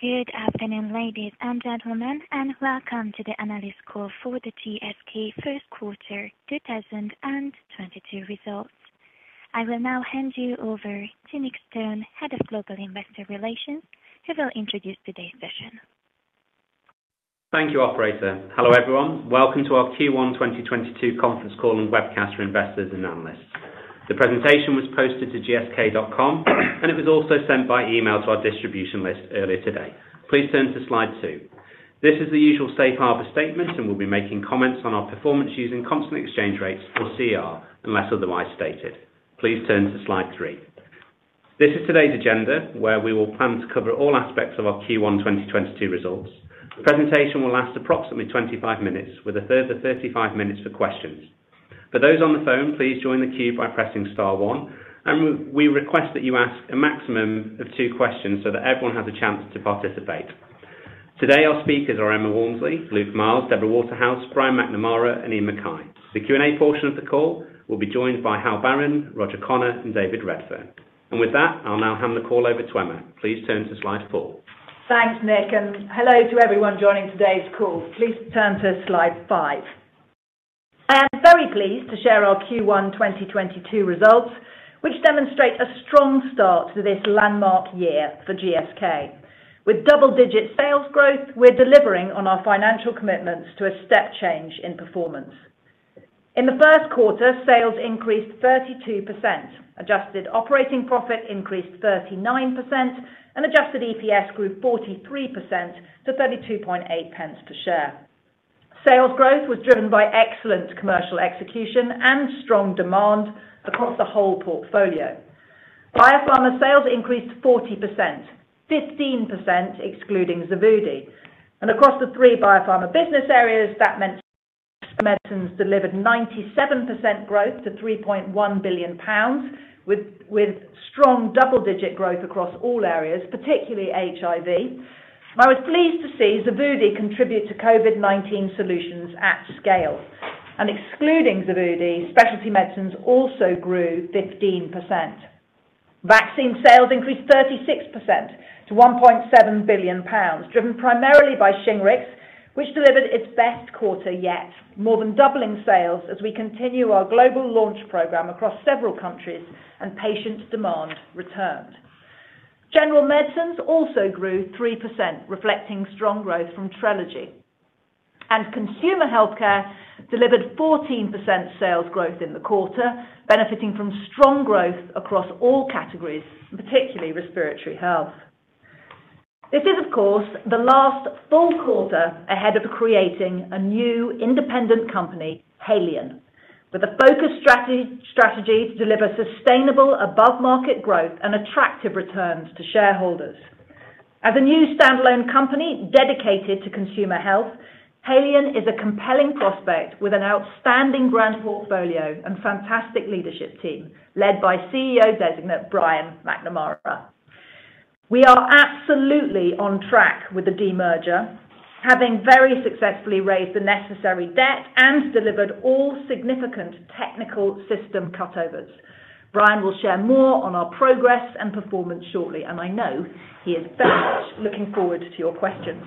Good afternoon, ladies and gentlemen, and welcome to the analyst call for the GSK Q1 2022 results. I will now hand you over to Nick Stone, Head of Global Investor Relations, who will introduce today's session. Thank you operator. Hello, everyone. Welcome to our Q1 2022 conference call and webcast for investors and analysts. The presentation was posted to gsk.com and it was also sent by email to our distribution list earlier today. Please turn to slide two. This is the usual safe harbor statement, and we'll be making comments on our performance using constant exchange rates or CER, unless otherwise stated. Please turn to slide three. This is today's agenda, where we will plan to cover all aspects of our Q1 2022 results. The presentation will last approximately 25 minutes, with a further 35 minutes for questions. For those on the phone, please join the queue by pressing star one, and we request that you ask a maximum of two questions so that everyone has a chance to participate. Today, our speakers are Emma Walmsley, Luke Miels, Deborah Waterhouse, Brian McNamara, and Iain Mackay. The Q&A portion of the call will be joined by Hal Barron, Roger Connor, and David Redfern. With that, I'll now hand the call over to Emma. Please turn to slide four. Thanks, Nick, and hello to everyone joining today's call. Please turn to slide five. I am very pleased to share our Q1 2022 results, which demonstrate a strong start to this landmark year for GSK. With double-digit sales growth, we're delivering on our financial commitments to a step change in performance. In the Q1, sales increased 32%. Adjusted operating profit increased 39%, and adjusted EPS grew 43% to 32.8 pence per share. Sales growth was driven by excellent commercial execution and strong demand across the whole portfolio. Biopharma sales increased 40%, 15% excluding Xevudy. Across the three biopharma business areas, that meant medicines delivered 97% growth to 3.1 billion pounds, with strong double-digit growth across all areas, particularly HIV. I was pleased to see Xevudy contribute to COVID-19 solutions at scale. Excluding Xevudy, specialty medicines also grew 15%. Vaccine sales increased 36% to 1.7 billion pounds, driven primarily by Shingrix, which delivered its best quarter yet, more than doubling sales as we continue our global launch program across several countries and patient demand returned. General medicines also grew 3%, reflecting strong growth from Trelegy. Consumer healthcare delivered 14% sales growth in the quarter, benefiting from strong growth across all categories, particularly respiratory health. This is, of course, the last full quarter ahead of creating a new independent company, Haleon, with a focused strategy to deliver sustainable above-market growth and attractive returns to shareholders. As a new standalone company dedicated to consumer health, Haleon is a compelling prospect with an outstanding brand portfolio and fantastic leadership team, led by CEO designate Brian McNamara. We are absolutely on track with the demerger, having very successfully raised the necessary debt and delivered all significant technical system cutovers. Brian will share more on our progress and performance shortly, and I know he is very much looking forward to your questions.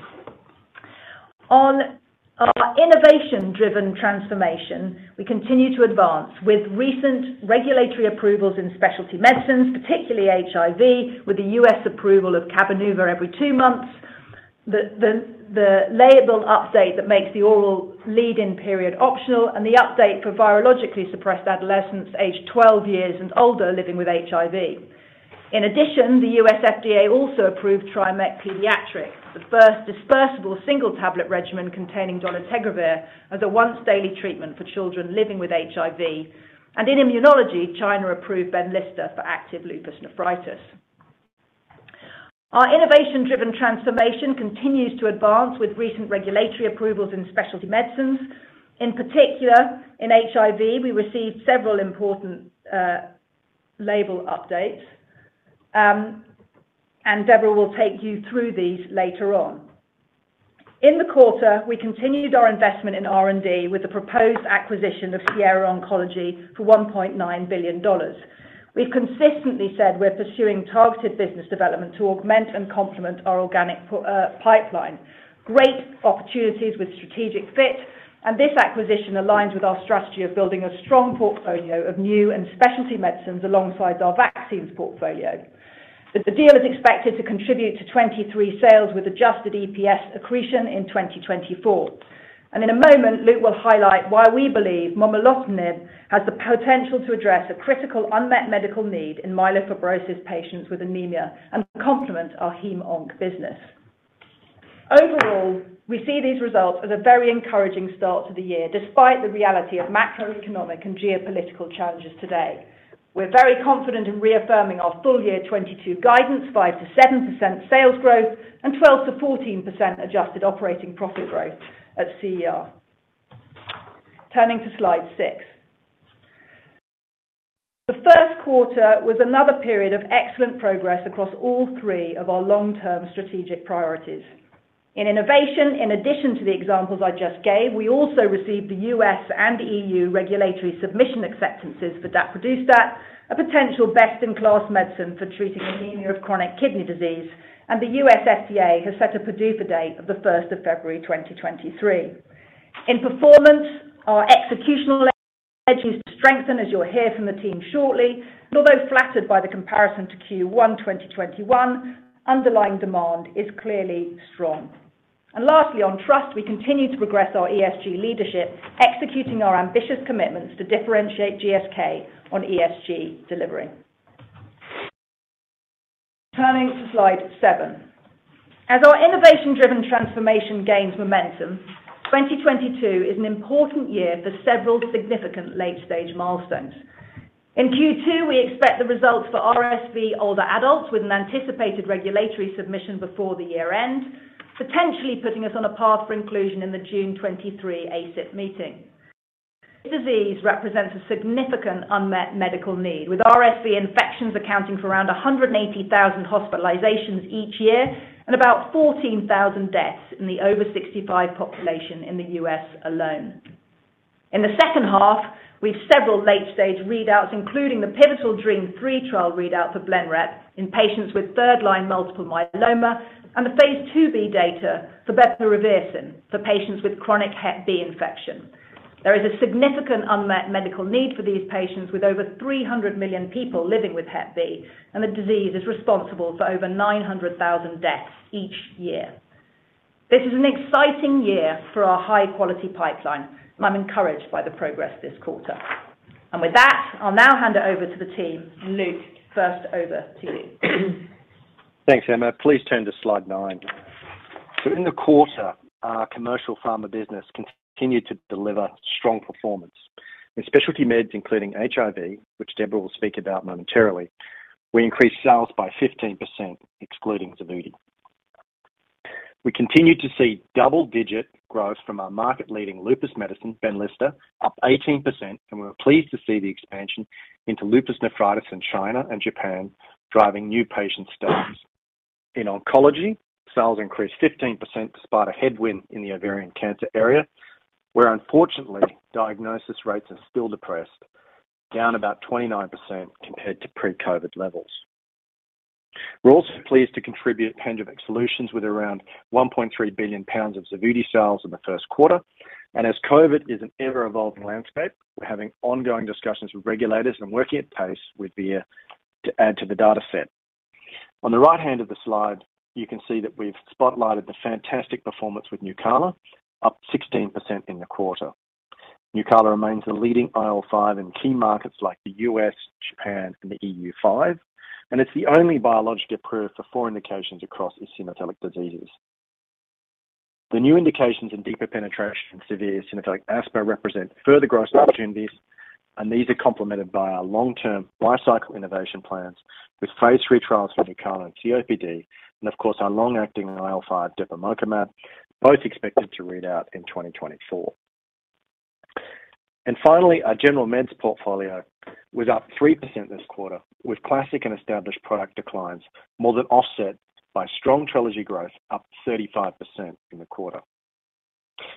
On our innovation-driven transformation, we continue to advance with recent regulatory approvals in specialty medicines, particularly HIV, with the U.S. approval of Cabenuva every two months. The label update that makes the oral lead-in period optional and the update for virologically suppressed adolescents aged 12 years and older living with HIV. In addition, the U.S. FDA also approved Triumeq PD, the first dispersible single tablet regimen containing dolutegravir as a once-daily treatment for children living with HIV. In immunology, China approved Benlysta for active lupus nephritis. Our innovation-driven transformation continues to advance with recent regulatory approvals in specialty medicines. In particular, in HIV, we received several important label updates, and Deborah will take you through these later on. In the quarter, we continued our investment in R&D with the proposed acquisition of Sierra Oncology for $1.9 billion. We've consistently said we're pursuing targeted business development to augment and complement our organic pipeline. Great opportunities with strategic fit, and this acquisition aligns with our strategy of building a strong portfolio of new and specialty medicines alongside our vaccines portfolio. The deal is expected to contribute to 2023 sales with adjusted EPS accretion in 2024. In a moment, Luke will highlight why we believe momelotinib has the potential to address a critical unmet medical need in myelofibrosis patients with anemia and complement our hem/onc business. Overall, we see these results as a very encouraging start to the year, despite the reality of macroeconomic and geopolitical challenges today. We're very confident in reaffirming our full year 2022 guidance, 5%-7% sales growth and 12%-14% adjusted operating profit growth at CER. Turning to slide six. The Q1 was another period of excellent progress across all three of our long-term strategic priorities. In innovation, in addition to the examples I just gave, we also received the U.S. and EU regulatory submission acceptances for daprodustat, a potential best-in-class medicine for treating anemia of chronic kidney disease, and the U.S. FDA has set a PDUFA date of the 1st of February 2023. In performance, our executional edge is to strengthen, as you'll hear from the team shortly, and although flattered by the comparison to Q1, 2021, underlying demand is clearly strong. Lastly, on trust, we continue to progress our ESG leadership, executing our ambitious commitments to differentiate GSK on ESG delivery. Turning to slide seven. As our innovation-driven transformation gains momentum, 2022 is an important year for several significant late-stage milestones. In Q2, we expect the results for RSV older adults with an anticipated regulatory submission before the year end, potentially putting us on a path for inclusion in the June 2023 ACIP meeting. Disease represents a significant unmet medical need, with RSV infections accounting for around 180,000 hospitalizations each year and about 14,000 deaths in the over 65 population in the U.S. alone. In the H2, we have several late-stage readouts, including the pivotal DREAMM-3 trial readout for Blenrep in patients with third-line multiple myeloma and the phase 2b data for bepirovirsen for patients with chronic hep B infection. There is a significant unmet medical need for these patients with over 300 million people living with hep B, and the disease is responsible for over 900,000 deaths each year. This is an exciting year for our high-quality pipeline, and I'm encouraged by the progress this quarter. With that, I'll now hand it over to the team. Luke, first over to you. Thanks, Emma. Please turn to slide nine. In the quarter, our commercial pharma business continued to deliver strong performance. In specialty meds, including HIV, which Deborah will speak about momentarily, we increased sales by 15% excluding Xevudy. We continued to see double-digit growth from our market-leading lupus medicine, Benlysta, up 18%, and we were pleased to see the expansion into lupus nephritis in China and Japan, driving new patient starts. In oncology, sales increased 15% despite a headwind in the ovarian cancer area, where unfortunately, diagnosis rates are still depressed, down about 29% compared to pre-COVID levels. We're also pleased to contribute pandemic solutions with around 1.3 billion pounds of Xevudy sales in the Q1. As COVID is an ever-evolving landscape, we're having ongoing discussions with regulators and working at pace with Vir to add to the data set. On the right-hand of the slide, you can see that we've spotlighted the fantastic performance with Nucala, up 16% in the quarter. Nucala remains the leading IL-5 in key markets like the U.S., Japan, and the EU Five, and it's the only biologic approved for four indications across eosinophilic diseases. The new indications and deeper penetration in severe eosinophilic asthma represent further growth opportunities, and these are complemented by our long-term lifecycle innovation plans with phase 3 trials for Nucala and COPD, and of course, our long-acting IL-5 depemokimab, both expected to read out in 2024. Finally, our general meds portfolio was up 3% this quarter, with classic and established product declines more than offset by strong Trelegy growth, up 35% in the quarter.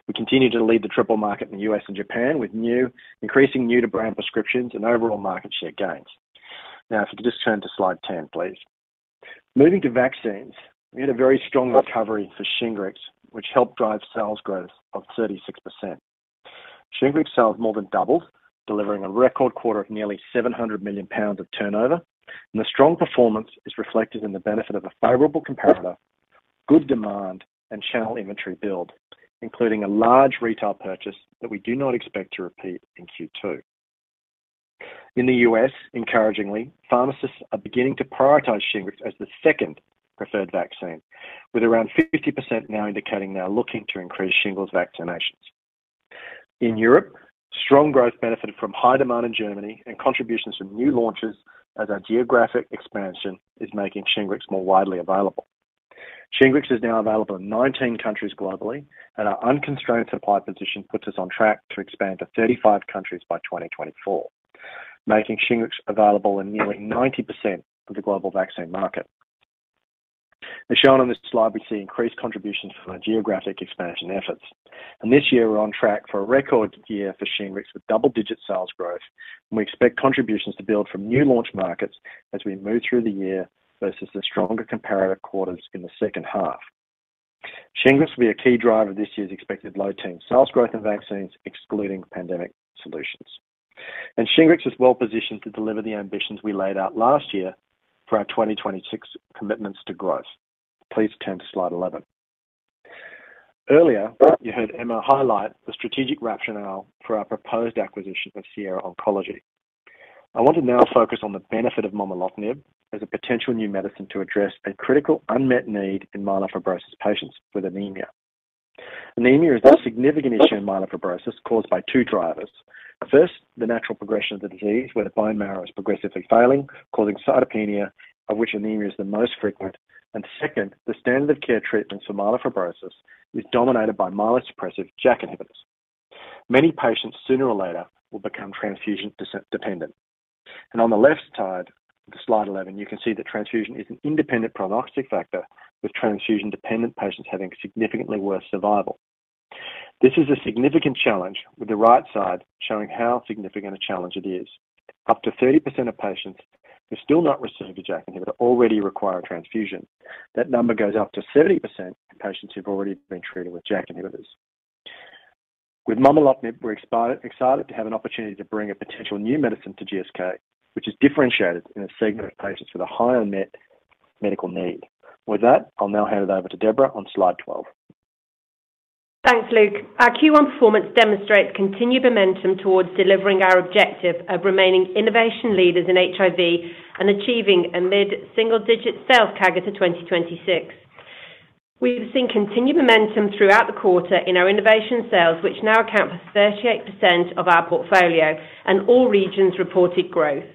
We continue to lead the triple market in the U.S. and Japan, with increasing new-to-brand prescriptions and overall market share gains. Now if you could just turn to slide 10, please. Moving to vaccines, we had a very strong recovery for Shingrix, which helped drive sales growth of 36%. Shingrix sales more than doubled, delivering a record quarter of nearly 700 million pounds of turnover, and the strong performance is reflected in the benefit of a favorable comparator, good demand, and channel inventory build, including a large retail purchase that we do not expect to repeat in Q2. In the U.S., encouragingly, pharmacists are beginning to prioritize Shingrix as the second preferred vaccine, with around 50% now indicating they are looking to increase shingles vaccinations. In Europe, strong growth benefited from high demand in Germany and contributions from new launches as our geographic expansion is making Shingrix more widely available. Shingrix is now available in 19 countries globally, and our unconstrained supply position puts us on track to expand to 35 countries by 2024, making Shingrix available in nearly 90% of the global vaccine market. As shown on this slide, we see increased contributions from our geographic expansion efforts. This year, we're on track for a record year for Shingrix with double-digit sales growth, and we expect contributions to build from new launch markets as we move through the year versus the stronger comparative quarters in the H2. Shingrix will be a key driver of this year's expected low-teen sales growth in vaccines, excluding pandemic solutions. Shingrix is well-positioned to deliver the ambitions we laid out last year for our 2026 commitments to growth. Please turn to slide 11. Earlier, you heard Emma highlight the strategic rationale for our proposed acquisition of Sierra Oncology. I want to now focus on the benefit of momelotinib as a potential new medicine to address a critical unmet need in myelofibrosis patients with anemia. Anemia is a significant issue in myelofibrosis caused by two drivers. First, the natural progression of the disease, where the bone marrow is progressively failing, causing cytopenia, of which anemia is the most frequent. Second, the standard of care treatments for myelofibrosis is dominated by myelosuppressive JAK inhibitors. Many patients sooner or later will become transfusion-dependent. On the left side of the slide 11, you can see that transfusion is an independent prognostic factor, with transfusion-dependent patients having significantly worse survival. This is a significant challenge, with the right side showing how significant a challenge it is. Up to 30% of patients who still not receiving a JAK inhibitor already require transfusion. That number goes up to 70% in patients who've already been treated with JAK inhibitors. With momelotinib, we're excited to have an opportunity to bring a potential new medicine to GSK, which is differentiated in a segment of patients with a higher medical need. With that, I'll now hand it over to Deborah on slide 12. Thanks, Luke. Our Q1 performance demonstrates continued momentum towards delivering our objective of remaining innovation leaders in HIV and achieving a mid-single-digit sales CAGR to 2026. We've seen continued momentum throughout the quarter in our innovation sales, which now account for 38% of our portfolio and all regions reported growth.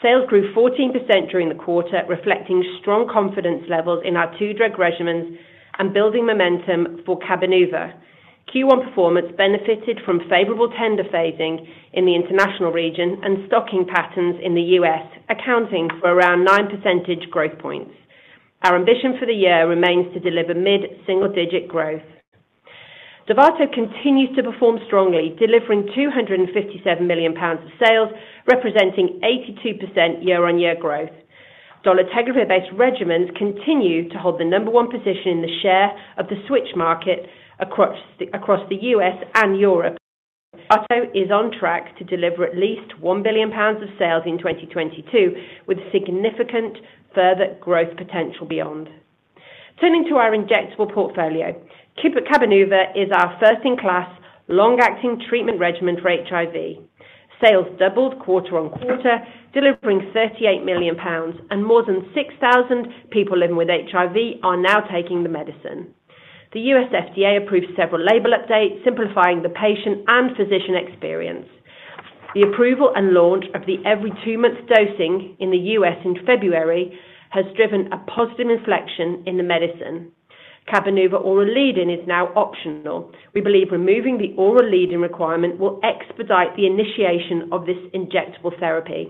Sales grew 14% during the quarter, reflecting strong confidence levels in our two drug regimens and building momentum for Cabenuva. Q1 performance benefited from favorable tender phasing in the international region and stocking patterns in the US, accounting for around nine percentage growth points. Our ambition for the year remains to deliver mid-single-digit growth. Dovato continues to perform strongly, delivering £257 million of sales, representing 82% year-on-year growth. Dolutegravir-based regimens continue to hold the number one position in the share of the switch market across the US and Europe. Dovato is on track to deliver at least 1 billion pounds of sales in 2022, with significant further growth potential beyond. Turning to our injectable portfolio, Cabenuva is our first-in-class long-acting treatment regimen for HIV. Sales doubled quarter-over-quarter, delivering 38 million pounds, and more than 6,000 people living with HIV are now taking the medicine. The U.S. FDA approved several label updates, simplifying the patient and physician experience. The approval and launch of the every two months dosing in the U.S. in February has driven a positive inflection in the medicine. Cabenuva oral lead-in is now optional. We believe removing the oral lead-in requirement will expedite the initiation of this injectable therapy.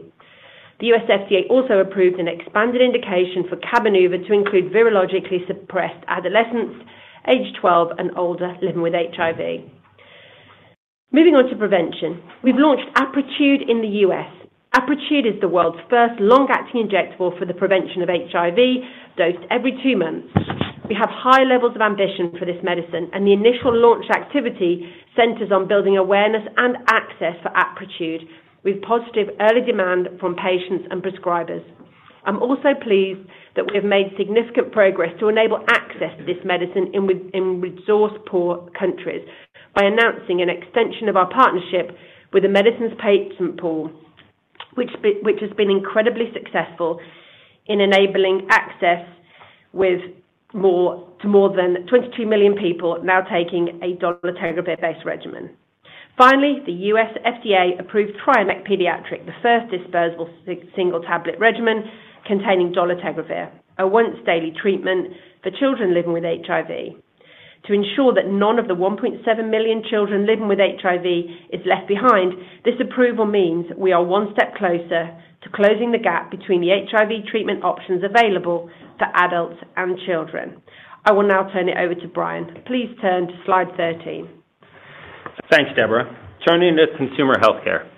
The U.S. FDA also approved an expanded indication for Cabenuva to include virologically suppressed adolescents age 12 and older living with HIV. Moving on to prevention. We've launched Apretude in the U.S. Apretude is the world's first long-acting injectable for the prevention of HIV, dosed every two months. We have high levels of ambition for this medicine, and the initial launch activity centers on building awareness and access for Apretude with positive early demand from patients and prescribers. I'm also pleased that we have made significant progress to enable access to this medicine in resource-poor countries by announcing an extension of our partnership with the Medicines Patent Pool, which has been incredibly successful in enabling access to more than 22 million people now taking a dolutegravir-based regimen. Finally, the US FDA approved Triumeq PD, the first dispersible single-tablet regimen containing dolutegravir, a once-daily treatment for children living with HIV. To ensure that none of the 1.7 million children living with HIV is left behind, this approval means we are one step closer to closing the gap between the HIV treatment options available for adults and children. I will now turn it over to Brian. Please turn to slide 13. Thanks, Deborah. Turning to consumer healthcare.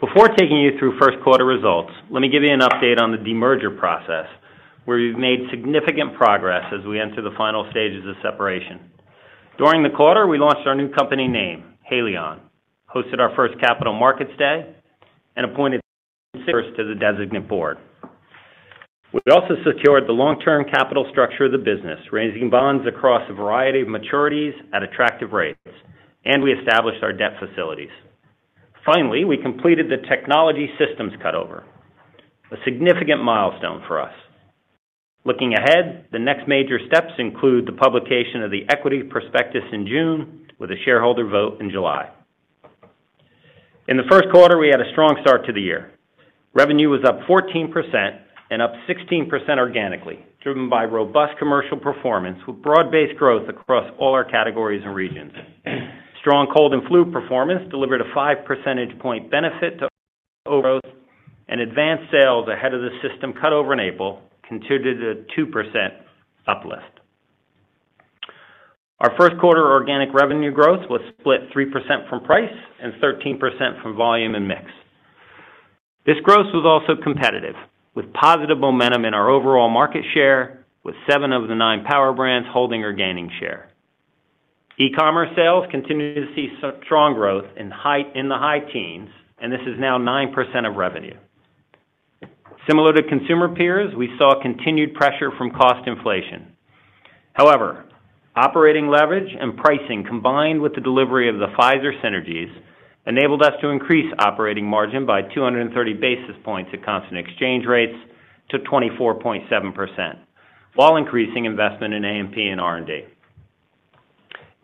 Before taking you through Q1 results, let me give you an update on the demerger process, where we've made significant progress as we enter the final stages of separation. During the quarter, we launched our new company name, Haleon, hosted our first Capital Markets Day, and appointed six to the designated board. We also secured the long-term capital structure of the business, raising bonds across a variety of maturities at attractive rates, and we established our debt facilities. Finally, we completed the technology systems cutover, a significant milestone for us. Looking ahead, the next major steps include the publication of the equity prospectus in June with a shareholder vote in July. In the Q1, we had a strong start to the year. Revenue was up 14% and up 16% organically, driven by robust commercial performance with broad-based growth across all our categories and regions. Strong cold and flu performance delivered a five percentage point benefit to overall growth, and advanced sales ahead of the system cutover in April contributed a 2% uplift. Our Q1 organic revenue growth was split 3% from price and 13% from volume and mix. This growth was also competitive with positive momentum in our overall market share, with seven of the nine power brands holding or gaining share. E-commerce sales continued to see strong growth in the high teens, and this is now 9% of revenue. Similar to consumer peers, we saw continued pressure from cost inflation. However, operating leverage and pricing combined with the delivery of the Pfizer synergies enabled us to increase operating margin by 230 basis points at constant exchange rates to 24.7% while increasing investment in A&P and R&D.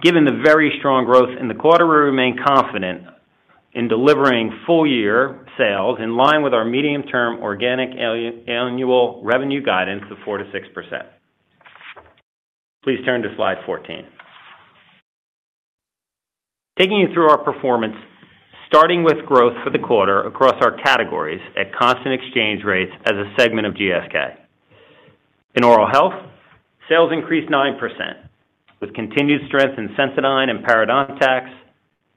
Given the very strong growth in the quarter, we remain confident in delivering full-year sales in line with our medium-term organic annual revenue guidance of 4%-6%. Please turn to slide 14. Taking you through our performance, starting with growth for the quarter across our categories at constant exchange rates as a segment of GSK. In oral health, sales increased 9%, with continued strength in Sensodyne and parodontax,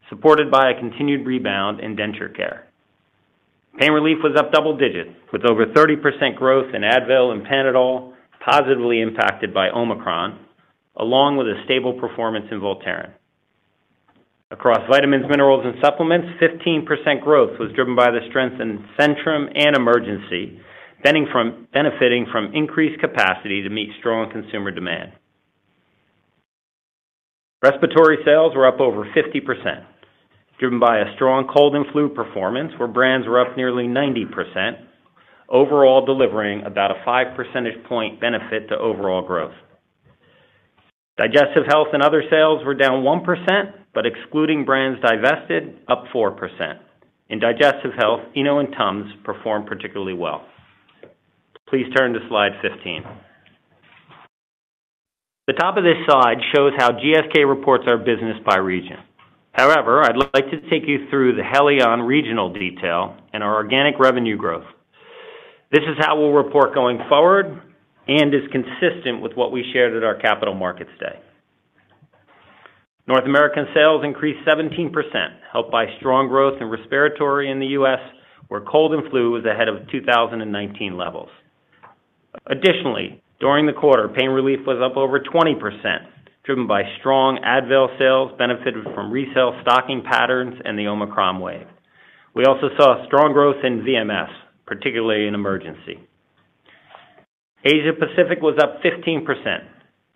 supported by a continued rebound in Denture Care. Pain relief was up double digits, with over 30% growth in Advil and Panadol, positively impacted by Omicron, along with a stable performance in Voltaren. Across vitamins, minerals and supplements, 15% growth was driven by the strength in Centrum and Emergen-C, benefiting from increased capacity to meet strong consumer demand. Respiratory sales were up over 50%, driven by a strong cold and flu performance, where brands were up nearly 90%, overall delivering about a five percentage point benefit to overall growth. Digestive health and other sales were down 1%, but excluding brands divested, up 4%. In digestive health, Eno and Tums performed particularly well. Please turn to slide 15. The top of this slide shows how GSK reports our business by region. However, I'd like to take you through the Haleon regional detail and our organic revenue growth. This is how we'll report going forward and is consistent with what we shared at our capital markets day. North American sales increased 17%, helped by strong growth in respiratory in the US, where cold and flu was ahead of 2019 levels. Additionally, during the quarter, pain relief was up over 20%, driven by strong Advil sales benefited from resale stocking patterns and the Omicron wave. We also saw strong growth in VMS, particularly in Emergen-C. Asia Pacific was up 15%,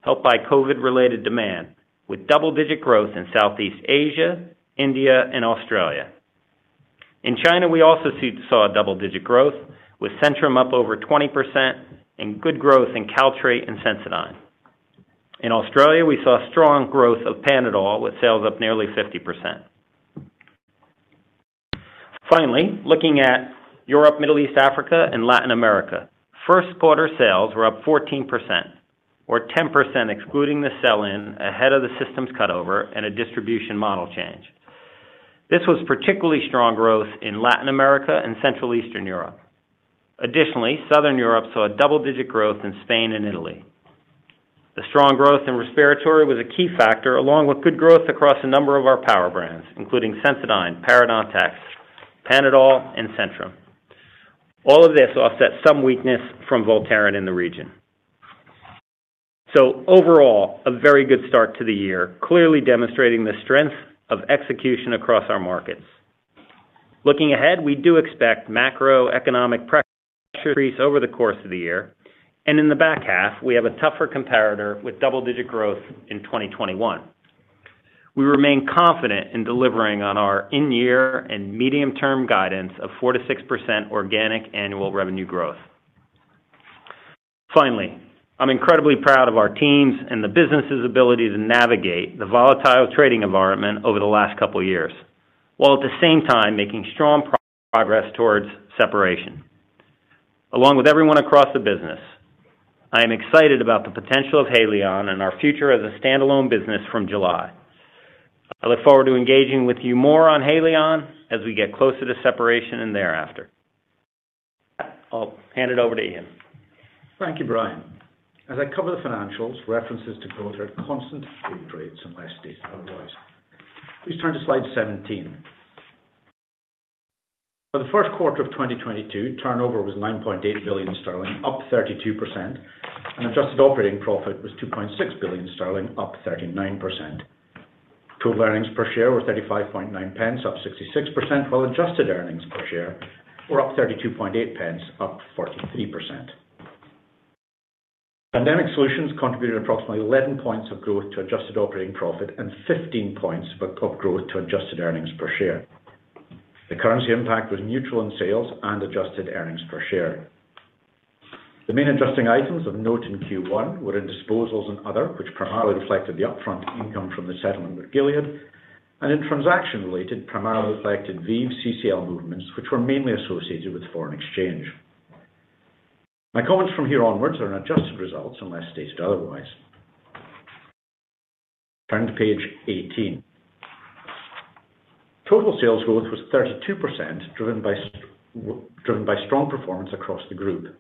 helped by COVID-related demand, with double-digit growth in Southeast Asia, India and Australia. In China, we also saw double-digit growth, with Centrum up over 20% and good growth in Caltrate and Sensodyne. In Australia, we saw strong growth of Panadol, with sales up nearly 50%. Finally, looking at Europe, Middle East, Africa and Latin America, Q1 sales were up 14% or 10% excluding the sell-in ahead of the systems cut over and a distribution model change. This was particularly strong growth in Latin America and Central Eastern Europe. Additionally, Southern Europe saw a double-digit growth in Spain and Italy. The strong growth in respiratory was a key factor, along with good growth across a number of our power brands, including Sensodyne, parodontax, Panadol and Centrum. All of this offset some weakness from Voltaren in the region. Overall, a very good start to the year, clearly demonstrating the strength of execution across our markets. Looking ahead, we do expect macroeconomic pressure to increase over the course of the year, and in the back half, we have a tougher comparator with double-digit growth in 2021. We remain confident in delivering on our in-year and medium-term guidance of 4%-6% organic annual revenue growth. Finally, I'm incredibly proud of our teams and the business' ability to navigate the volatile trading environment over the last couple of years, while at the same time making strong progress towards separation. Along with everyone across the business, I am excited about the potential of Haleon and our future as a standalone business from July. I look forward to engaging with you more on Haleon as we get closer to separation and thereafter. I'll hand it over to Iain. Thank you, Brian. As I cover the financials, references to growth are at constant exchange rates, unless stated otherwise. Please turn to slide 17. For the Q1 of 2022, turnover was 9.8 billion sterling, up 32%, and adjusted operating profit was 2.6 billion sterling, up 39%. Total earnings per share were 0.359, up 66%, while adjusted earnings per share were up 0.328, up 43%. Pandemic solutions contributed approximately 11 points of growth to adjusted operating profit and 15 points of growth to adjusted earnings per share. The currency impact was neutral in sales and adjusted earnings per share. The main interesting items of note in Q1 were in disposals and other, which primarily reflected the upfront income from the settlement with Gilead, and in transaction related, primarily reflected ViiV CCL movements, which were mainly associated with foreign exchange. My comments from here onwards are on adjusted results, unless stated otherwise. Turn to page 18. Total sales growth was 32%, driven by strong performance across the group.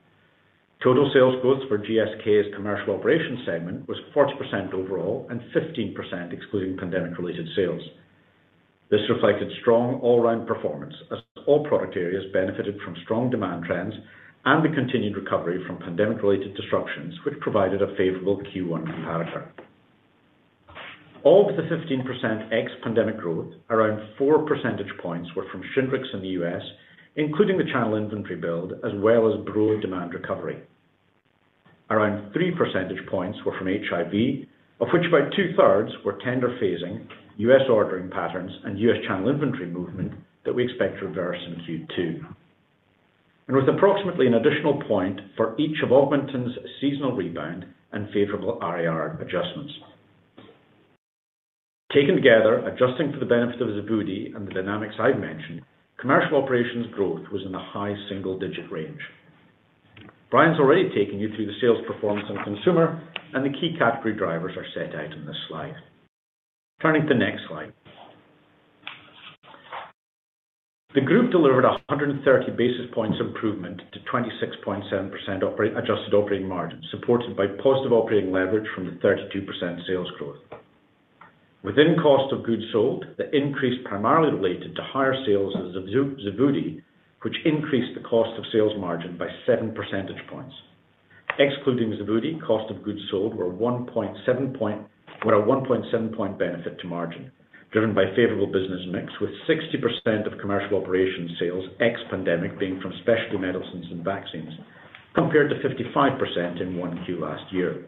Total sales growth for GSK's commercial operations segment was 40% overall and 15% excluding pandemic-related sales. This reflected strong all-round performance as all product areas benefited from strong demand trends and the continued recovery from pandemic-related disruptions, which provided a favorable Q1 comparator. Of the 15% ex-pandemic growth, around four percentage points were from Shingrix in the U.S., including the channel inventory build as well as broad demand recovery. Around three seven percentage points were from HIV, of which about two-thirds were tender phasing, US ordering patterns and US channel inventory movement that we expect to reverse in Q2. With approximately an additional point for each of Augmentin's seasonal rebound and favorable RIR adjustments. Taken together, adjusting for the benefit of Xevudy and the dynamics I've mentioned, commercial operations growth was in the high single-digit range. Brian's already taken you through the sales performance in consumer, and the key category drivers are set out in this slide. Turning to the next slide. The group delivered 130 basis points improvement to 26.7% adjusted operating margin, supported by positive operating leverage from the 32% sales growth. Within cost of goods sold, the increase primarily related to higher sales of Xevudy, which increased the cost of sales margin by seven percentage points. Excluding Xevudy, cost of goods sold were a 1.7% benefit to margin, driven by favorable business mix, with 60% of commercial operation sales ex-pandemic being from specialty medicines and vaccines, compared to 55% in Q1 last year.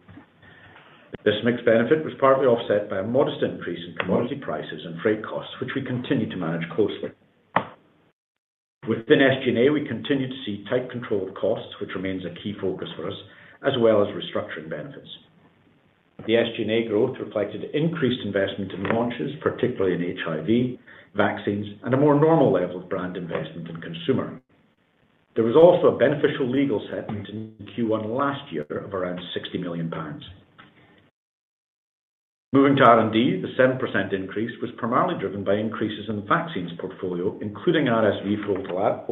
This mix benefit was partly offset by a modest increase in commodity prices and freight costs, which we continue to manage closely. Within SG&A, we continue to see tight control of costs, which remains a key focus for us, as well as restructuring benefits. The SG&A growth reflected increased investment in launches, particularly in HIV, vaccines, and a more normal level of brand investment in consumer. There was also a beneficial legal settlement in Q1 last year of around 60 million pounds. Moving to R&D, the 7% increase was primarily driven by increases in the vaccines portfolio, including RSV for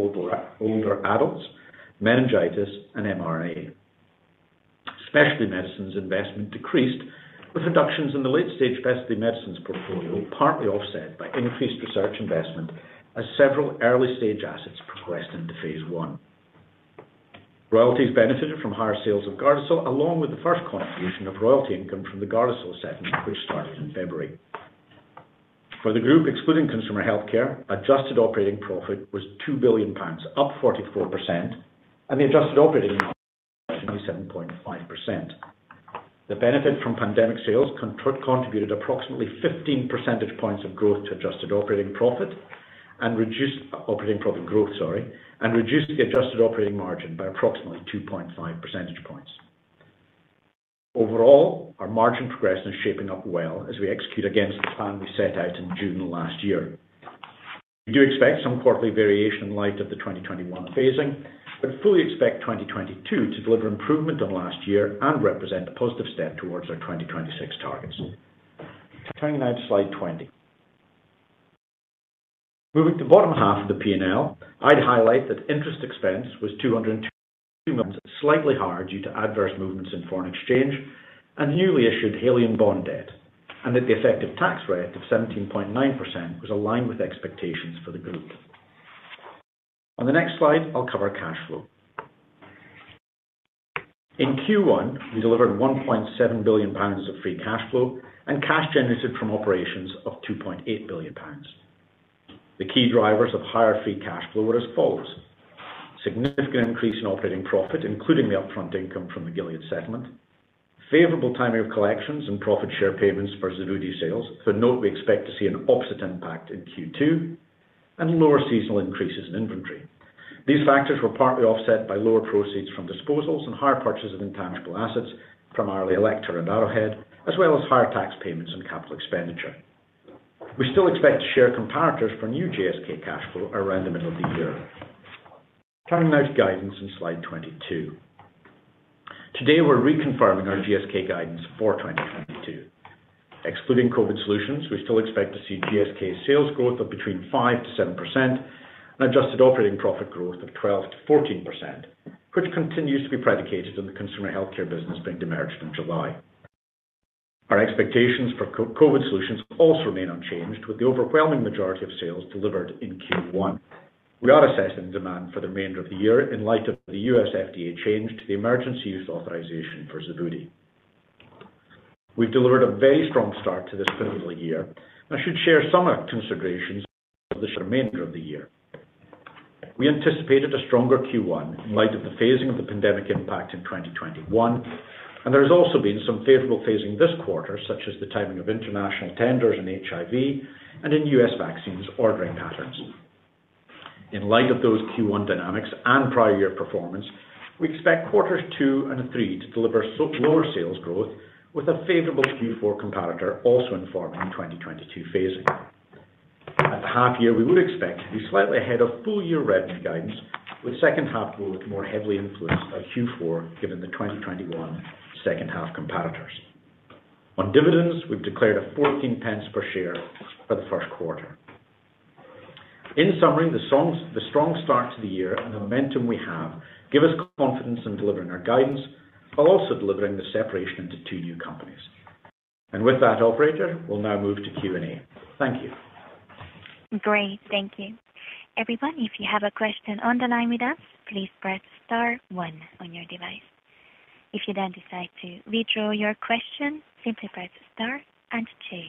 older adults, meningitis, and MRA. Specialty medicines investment decreased with reductions in the late-stage specialty medicines portfolio, partly offset by increased research investment as several early-stage assets progressed into phase 1. Royalties benefited from higher sales of GARDASIL, along with the first contribution of royalty income from the GARDASIL settlement, which started in February. For the group, excluding consumer healthcare, adjusted operating profit was 2 billion pounds, up 44%, and the adjusted operating margin was 77.5%. The benefit from pandemic sales contributed approximately 15 percentage points of growth to adjusted operating profit and reduced operating profit growth, sorry, and reduced the adjusted operating margin by approximately 2.5 percentage points. Overall, our margin progress is shaping up well as we execute against the plan we set out in June last year. We do expect some quarterly variation in light of the 2021 phasing, but fully expect 2022 to deliver improvement on last year and represent a positive step towards our 2026 targets. Turning now to slide 20. Moving to bottom half of the P&L, I'd highlight that interest expense was 202 million, slightly higher due to adverse movements in foreign exchange and newly issued Haleon bond debt, and that the effective tax rate of 17.9% was aligned with expectations for the group. On the next slide, I'll cover cash flow. In Q1, we delivered 1.7 billion pounds of free cash flow and cash generated from operations of 2.8 billion pounds. The key drivers of higher free cash flow were as follows. Significant increase in operating profit, including the upfront income from the Gilead settlement, favorable timing of collections and profit share payments for Xevudy sales. Note, we expect to see an opposite impact in Q2 and lower seasonal increases in inventory. These factors were partly offset by lower proceeds from disposals and higher purchase of intangible assets, primarily Electra and Arrowhead, as well as higher tax payments and capital expenditure. We still expect to share comparators for new GSK cash flow around the middle of the year. Turning now to guidance on slide 22. Today, we're reconfirming our GSK guidance for 2022. Excluding COVID solutions, we still expect to see GSK sales growth of between 5%-7% and adjusted operating profit growth of 12%-14%, which continues to be predicated on the consumer healthcare business being demerged in July. Our expectations for C-COVID solutions also remain unchanged with the overwhelming majority of sales delivered in Q1. We are assessing demand for the remainder of the year in light of the U.S. FDA change to the emergency use authorization for Xevudy. We've delivered a very strong start to this pivotal year and should share some of our considerations for the remainder of the year. We anticipated a stronger Q1 in light of the phasing of the pandemic impact in 2021, and there has also been some favorable phasing this quarter, such as the timing of international tenders in HIV and in U.S. vaccines ordering patterns. In light of those Q1 dynamics and prior year performance, we expect quarters two and three to deliver lower sales growth with a favorable Q4 comparator, also informing 2022 phasing. At the half year, we would expect to be slightly ahead of full-year revenue guidance, with H2 growth more heavily influenced by Q4 given the 2021 H2 comparators. On dividends, we've declared a 0.14 per share for the Q1. In summary, the strong start to the year and the momentum we have given us confidence in delivering our guidance while also delivering the separation into two new companies. With that, operator, we'll now move to Q&A. Thank you. Great. Thank you. Everyone, if you have a question on the line with us, please press star one on your device. If you then decide to withdraw your question, simply press star and two.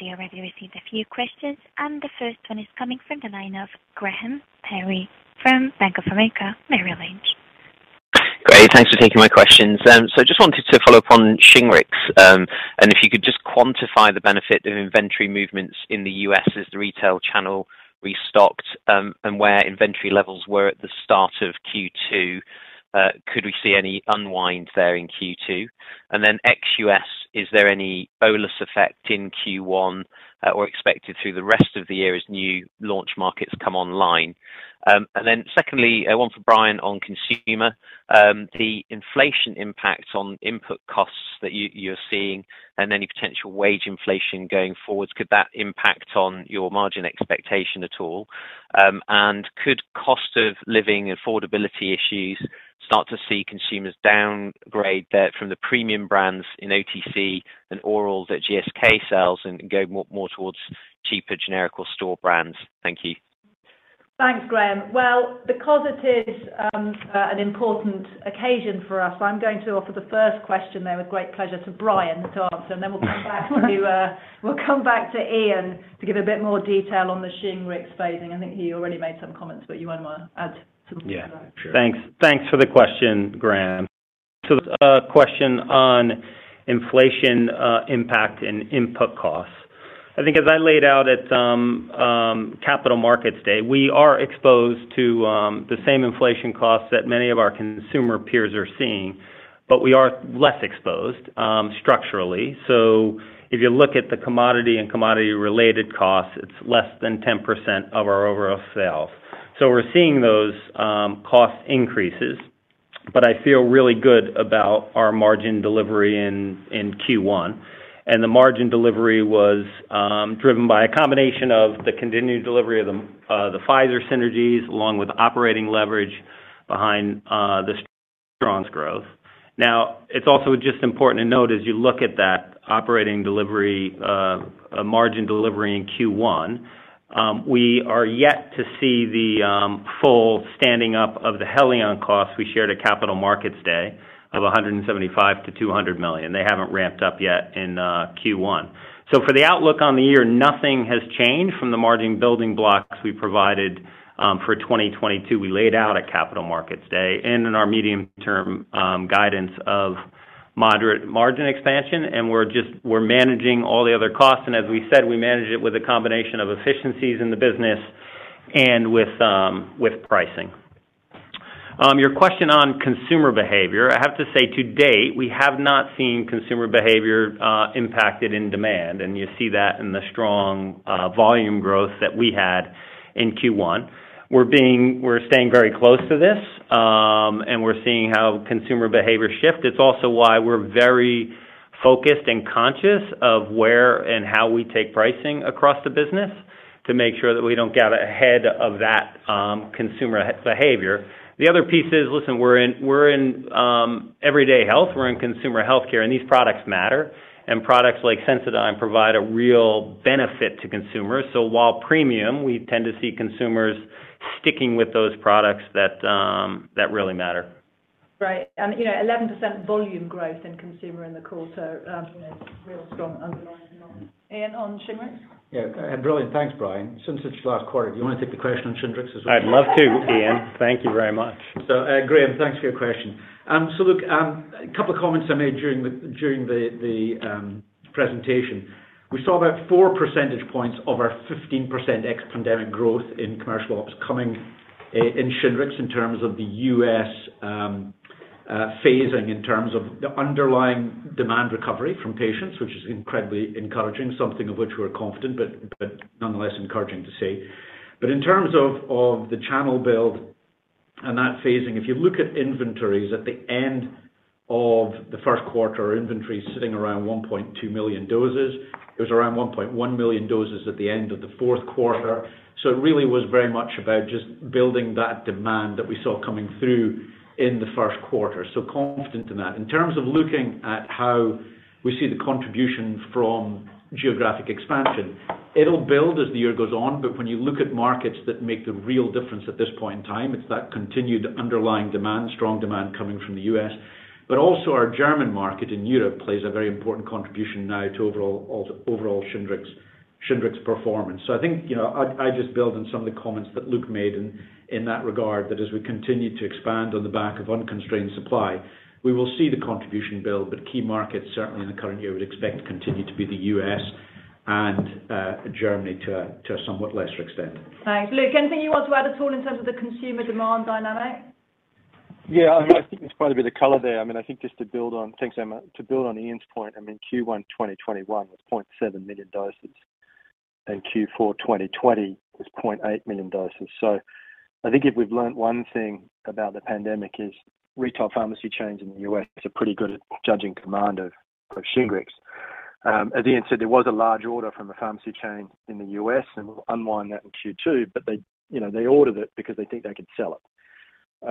We already received a few questions. The first one is coming from the line of Graham Parry from Bank of America Merrill Lynch. Great. Thanks for taking my questions. I just wanted to follow up on Shingrix. If you could just quantify the benefit of inventory movements in the U.S. as the retail channel restocked, and where inventory levels were at the start of Q2. Could we see any unwind there in Q2? Ex-US, is there any bonus effect in Q1 or expected through the rest of the year as new launch markets come online? Secondly, one for Brian on consumer, the inflation impact on input costs that you're seeing and any potential wage inflation going forwards, could that impact on your margin expectation at all? Could cost of living affordability issues start to see consumers downgrade from the premium brands in OTC and orals that GSK sells and go more towards cheaper generic or store brands? Thank you. Thanks, Graham. Well, because it is an important occasion for us, I'm going to offer the first question there with great pleasure to Brian to answer, and then we'll come back to Iain to give a bit more detail on the Shingrix phasing. I think he already made some comments, but you might want to add some more to that. Yeah, sure. Thanks. Thanks for the question, Graham. A question on inflation, impact and input costs. I think as I laid out at Capital Markets Day, we are exposed to the same inflation costs that many of our consumer peers are seeing, but we are less exposed structurally. If you look at the commodity and commodity-related costs, it's less than 10% of our overall sales. We're seeing those cost increases, but I feel really good about our margin delivery in Q1. The margin delivery was driven by a combination of the continued delivery of the Pfizer synergies along with operating leverage behind the strong growth. Now, it's also just important to note as you look at that operating delivery, margin delivery in Q1, we are yet to see the full standing up of the Haleon costs we shared at Capital Markets Day of 175 million-200 million. They haven't ramped up yet in Q1. For the outlook on the year, nothing has changed from the margin building blocks we provided for 2022. We laid out at Capital Markets Day and in our medium-term guidance of moderate margin expansion, and we're managing all the other costs. As we said, we manage it with a combination of efficiencies in the business and with pricing. Your question on consumer behavior. I have to say to date, we have not seen consumer behavior impacted in demand, and you see that in the strong volume growth that we had in Q1. We're staying very close to this, and we're seeing how consumer behavior shift. It's also why we're very focused and conscious of where and how we take pricing across the business to make sure that we don't get ahead of that consumer behavior. The other piece is, listen, we're in everyday health, we're in consumer healthcare, and these products matter. Products like Sensodyne provide a real benefit to consumers. While premium, we tend to see consumers sticking with those products that really matter. Right. You know, 11% volume growth in consumer in the quarter, you know, real strong underlying demand. Iain, on Shingrix. Yeah. Brilliant. Thanks, Brian. Since it's your last quarter, do you want to take the question on Shingrix as well? I'd love to, Ian. Thank you very much. Graham, thanks for your question. A couple of comments I made during the presentation. We saw about four percentage points of our 15% ex-pandemic growth in commercial ops coming in Shingrix in terms of the U.S. phasing in terms of the underlying demand recovery from patients, which is incredibly encouraging, something of which we're confident, but nonetheless encouraging to see. In terms of the channel build and that phasing, if you look at inventories at the end of the Q1, our inventory is sitting around 1.2 million doses. It was around 1.1 million doses at the end of the fourth quarter. It really was very much about just building that demand that we saw coming through in the Q1. Confident in that. In terms of looking at how we see the contribution from geographic expansion, it'll build as the year goes on. When you look at markets that make the real difference at this point in time, it's that continued underlying demand, strong demand coming from the U.S. Also our German market in Europe plays a very important contribution now to overall Shingrix performance. I think, you know, I just build on some of the comments that Luke made in that regard, that as we continue to expand on the back of unconstrained supply, we will see the contribution build, but key markets certainly in the current year would expect to continue to be the U.S. and Germany to a somewhat lesser extent. Thanks. Luke, anything you want to add at all in terms of the consumer demand dynamic? Yeah, I mean, I think there's quite a bit of color there. I mean, I think just to build on. Thanks, Emma. To build on Iain's point, I mean, Q1 2021 was 0.7 million doses, and Q4 2020 was 0.8 million doses. I think if we've learned one thing about the pandemic is retail pharmacy chains in the U.S. are pretty good at judging command of Shingrix. As Iain said, there was a large order from a pharmacy chain in the U.S., and we'll unwind that in Q2, but they, you know, they ordered it because they think they could sell it.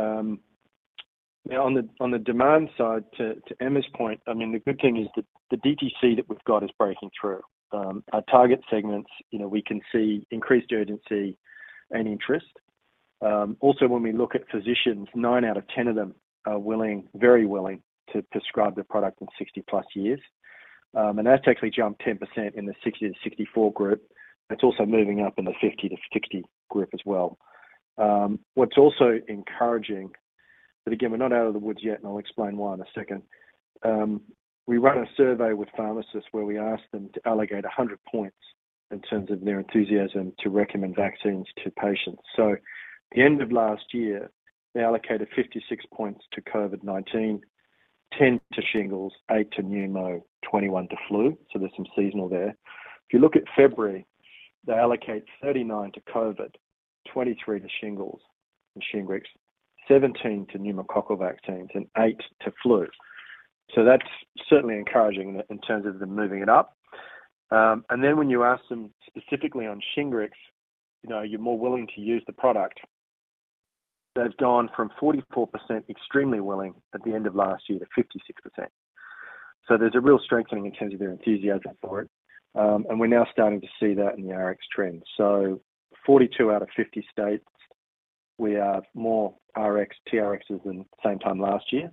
On the demand side, to Emma's point, I mean, the good thing is that the DTC that we've got is breaking through. Our target segments, you know, we can see increased urgency and interest. Also, when we look at physicians, 9 out of 10 of them are willing, very willing to prescribe the product in 60+ years. That's actually jumped 10% in the 60-64 group. It's also moving up in the 50-60 group as well. What's also encouraging, but again, we're not out of the woods yet, and I'll explain why in a second. We ran a survey with pharmacists where we asked them to allocate 100 points in terms of their enthusiasm to recommend vaccines to patients. At the end of last year, they allocated 56 points to COVID-19, 10 to shingles, 8 to pneumo, 21 to flu. There's some seasonal there. If you look at February, they allocate 39 to COVID, 23 to shingles and Shingrix, 17 to pneumococcal vaccines, and 8 to flu. That's certainly encouraging in terms of them moving it up. When you ask them specifically on Shingrix, you know, you're more willing to use the product. They've gone from 44% extremely willing at the end of last year to 56%. There's a real strengthening in terms of their enthusiasm for it. We're now starting to see that in the Rx trends. Forty-two out of 50 states, we are more Rx TRXs than same time last year.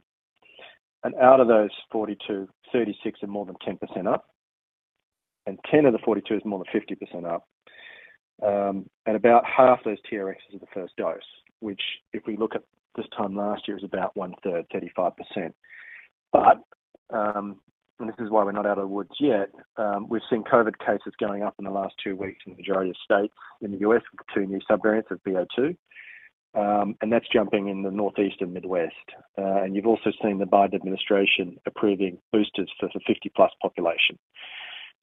Out of those 42, 36 are more than 10% up, and 10 of the 42 is more than 50% up. About half those TRXs are the first dose, which if we look at this time last year, is about one-third, 35%. This is why we're not out of the woods yet. We've seen COVID cases going up in the last two weeks in the majority of states. In the U.S., we've got two new subvariants of BA.2, and that's jumping in the Northeast and Midwest. You've also seen the Biden administration approving boosters for the 50+ population.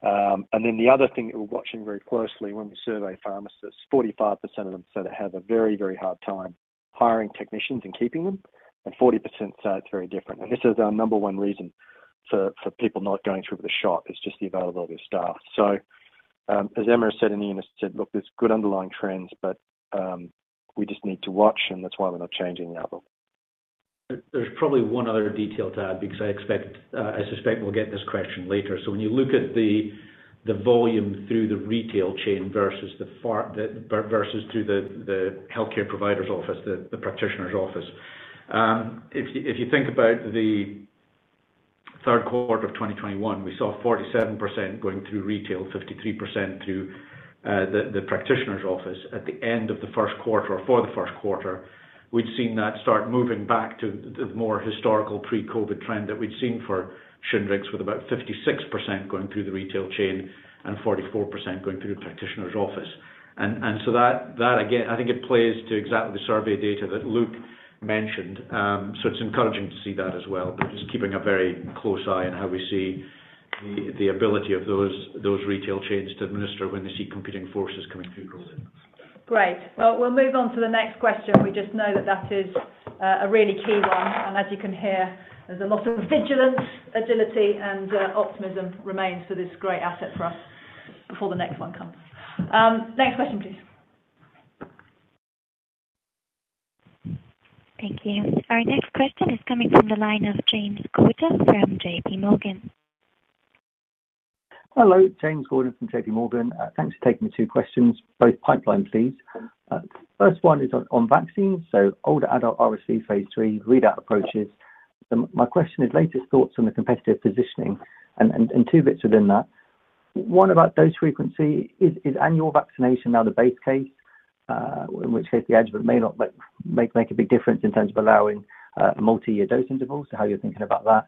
Then the other thing that we're watching very closely when we survey pharmacists, 45% of them say they have a very, very hard time hiring technicians and keeping them, and 40% say it's very difficult. This is our number one reason for people not going through with the shot, is just the availability of staff. As Emma said, and Iain said, look, there's good underlying trends, but we just need to watch, and that's why we're not changing the outlook. There's probably one other detail to add, because I expect, I suspect we'll get this question later. When you look at the volume through the retail chain versus through the healthcare provider's office, the practitioner's office. If you think about the third quarter of 2021, we saw 47% going through retail, 53% through the practitioner's office. At the end of the Q1 or for the Q1, we'd seen that start moving back to the more historical pre-COVID trend that we'd seen for Shingrix, with about 56% going through the retail chain and 44% going through the practitioner's office. So that again, I think it plays to exactly the survey data that Luke mentioned. It's encouraging to see that as well, but just keeping a very close eye on how we see the ability of those retail chains to administer when they see competing forces coming through COVID. Great. Well, we'll move on to the next question. We just know that is a really key one, and as you can hear, there's a lot of vigilance, agility, and optimism remains for this great asset for us before the next one comes. Next question, please. Thank you. Our next question is coming from the line of James Gordon from JP Morgan. Hello, James Gordon from JP Morgan. Thanks for taking the two questions, both pipeline, please. First one is on vaccines, so older adult RSV phase 3 readout approaches. My question is latest thoughts on the competitive positioning and two bits within that. One about dose frequency. Is annual vaccination now the base case, in which case the adjuvant may not make a big difference in terms of allowing multi-year dose intervals? How you're thinking about that.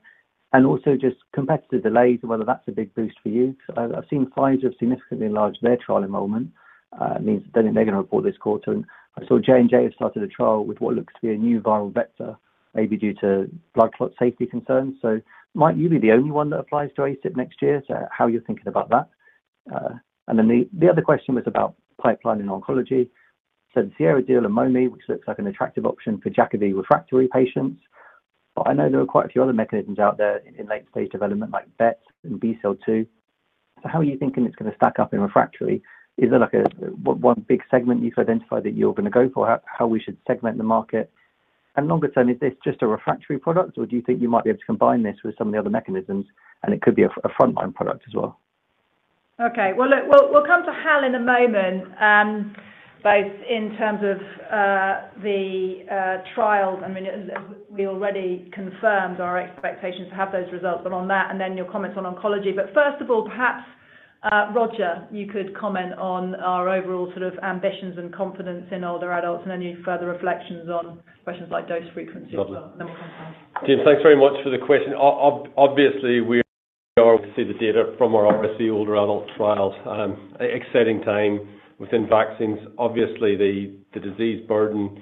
Also just competitive delays and whether that's a big boost for you. I've seen Pfizer have significantly enlarged their trial enrollment. It means that then they're going to report this quarter. I saw J&J have started a trial with what looks to be a new viral vector, maybe due to blood clot safety concerns. Might you be the only one that applies to ACIP next year? How you're thinking about that. Then the other question was about pipeline in oncology. The Sierra deal and Momi, which looks like an attractive option for JAK refractory patients. I know there are quite a few other mechanisms out there in late-stage development like BET and BCL-2. How are you thinking it's going to stack up in refractory? Is there like one big segment you've identified that you're going to go for? How we should segment the market? Longer term, is this just a refractory product, or do you think you might be able to combine this with some of the other mechanisms and it could be a frontline product as well? Okay. Well, look, we'll come to Hal in a moment, both in terms of the trials. I mean, we already confirmed our expectations to have those results. On that, and then your comments on oncology. First of all, perhaps, Roger, you could comment on our overall sort of ambitions and confidence in older adults and any further reflections on questions like dose frequency as well. Got it. We'll come to Hal. James, thanks very much for the question. Obviously, we are eager to see the data from our RSV older adult trials, exciting time within vaccines. Obviously, the disease burden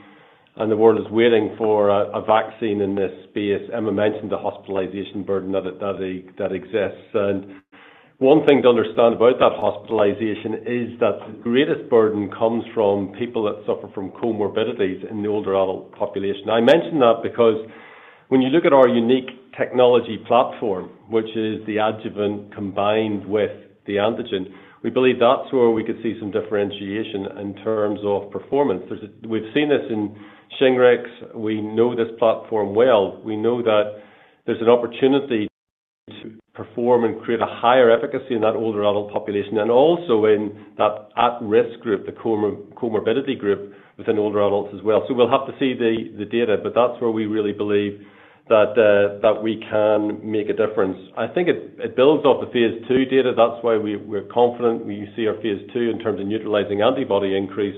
and the world is waiting for a vaccine in this space. Emma mentioned the hospitalization burden that exists. One thing to understand about that hospitalization is that the greatest burden comes from people that suffer from comorbidities in the older adult population. I mention that because when you look at our unique technology platform, which is the adjuvant combined with the antigen, we believe that's where we could see some differentiation in terms of performance. We've seen this in Shingrix. We know this platform well. We know that there's an opportunity to perform and create a higher efficacy in that older adult population and also in that at-risk group, the comorbidity group within older adults as well. We'll have to see the data, but that's where we really believe that we can make a difference. I think it builds off the phase 2 data. That's why we're confident when you see our phase 2 in terms of neutralizing antibody increase,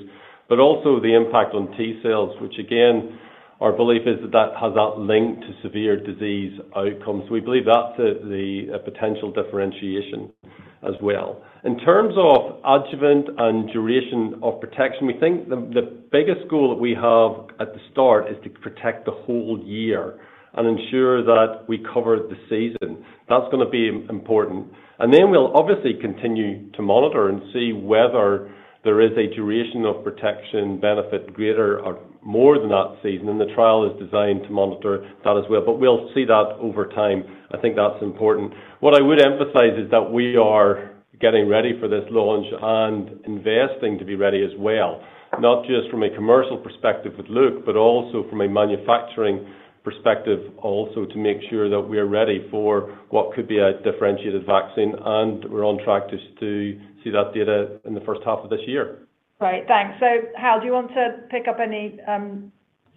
but also the impact on T-cells, which again Our belief is that that has that link to severe disease outcomes. We believe that's the potential differentiation as well. In terms of adjuvant and duration of protection, we think the biggest goal that we have at the start is to protect the whole year and ensure that we cover the season. That's going to be important. Then we'll obviously continue to monitor and see whether there is a duration of protection benefit greater or more than that season, and the trial is designed to monitor that as well. We'll see that over time. I think that's important. What I would emphasize is that we are getting ready for this launch and investing to be ready as well, not just from a commercial perspective with Luke, but also from a manufacturing perspective also to make sure that we are ready for what could be a differentiated vaccine, and we're on track just to see that data in the first half of this year. Right. Thanks. Hal, do you want to pick up any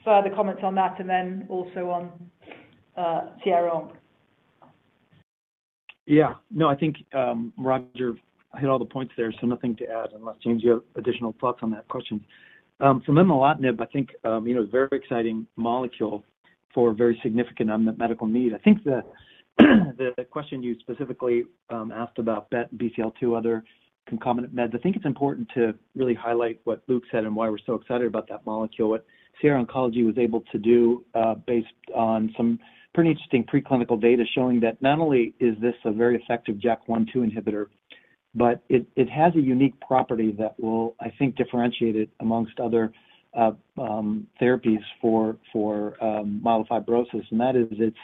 further comments on that and then also on Sierra Oncology? Yeah. No, I think, Roger hit all the points there, so nothing to add unless, James, you have additional thoughts on that question. Momelotinib, I think, you know, very exciting molecule for very significant unmet medical need. I think the question you specifically asked about BET BCL-2 other concomitant meds, I think it's important to really highlight what Luke said and why we're so excited about that molecule. What Sierra Oncology was able to do, based on some pretty interesting preclinical data showing that not only is this a very effective JAK 1/2 inhibitor, but it has a unique property that will, I think, differentiate it amongst other therapies for myelofibrosis, and that is its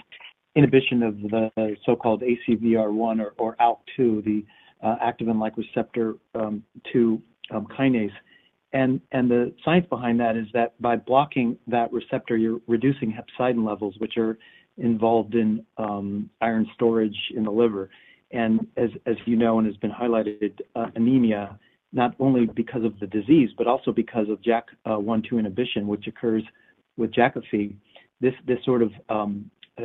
inhibition of the so-called ACVR1 or ALK2, the activin-like receptor 2 kinase. The science behind that is that by blocking that receptor, you're reducing hepcidin levels, which are involved in iron storage in the liver. As you know, and has been highlighted, anemia not only because of the disease, but also because of JAK 1/2 inhibition, which occurs with Jakafi. This sort of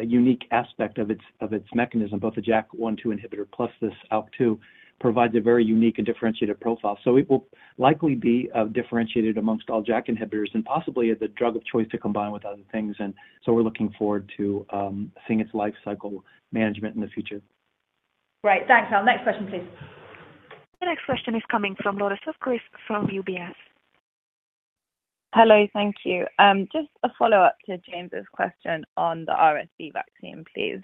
unique aspect of its mechanism, both the JAK 1/2 inhibitor plus this ALK2, provides a very unique and differentiated profile. It will likely be differentiated among all JAK inhibitors and possibly the drug of choice to combine with other things. We're looking forward to seeing its life cycle management in the future. Great. Thanks. Hal, next question, please. The next question is coming from Laura Sutcliffe from UBS. Hello. Thank you. Just a follow-up to James's question on the RSV vaccine, please.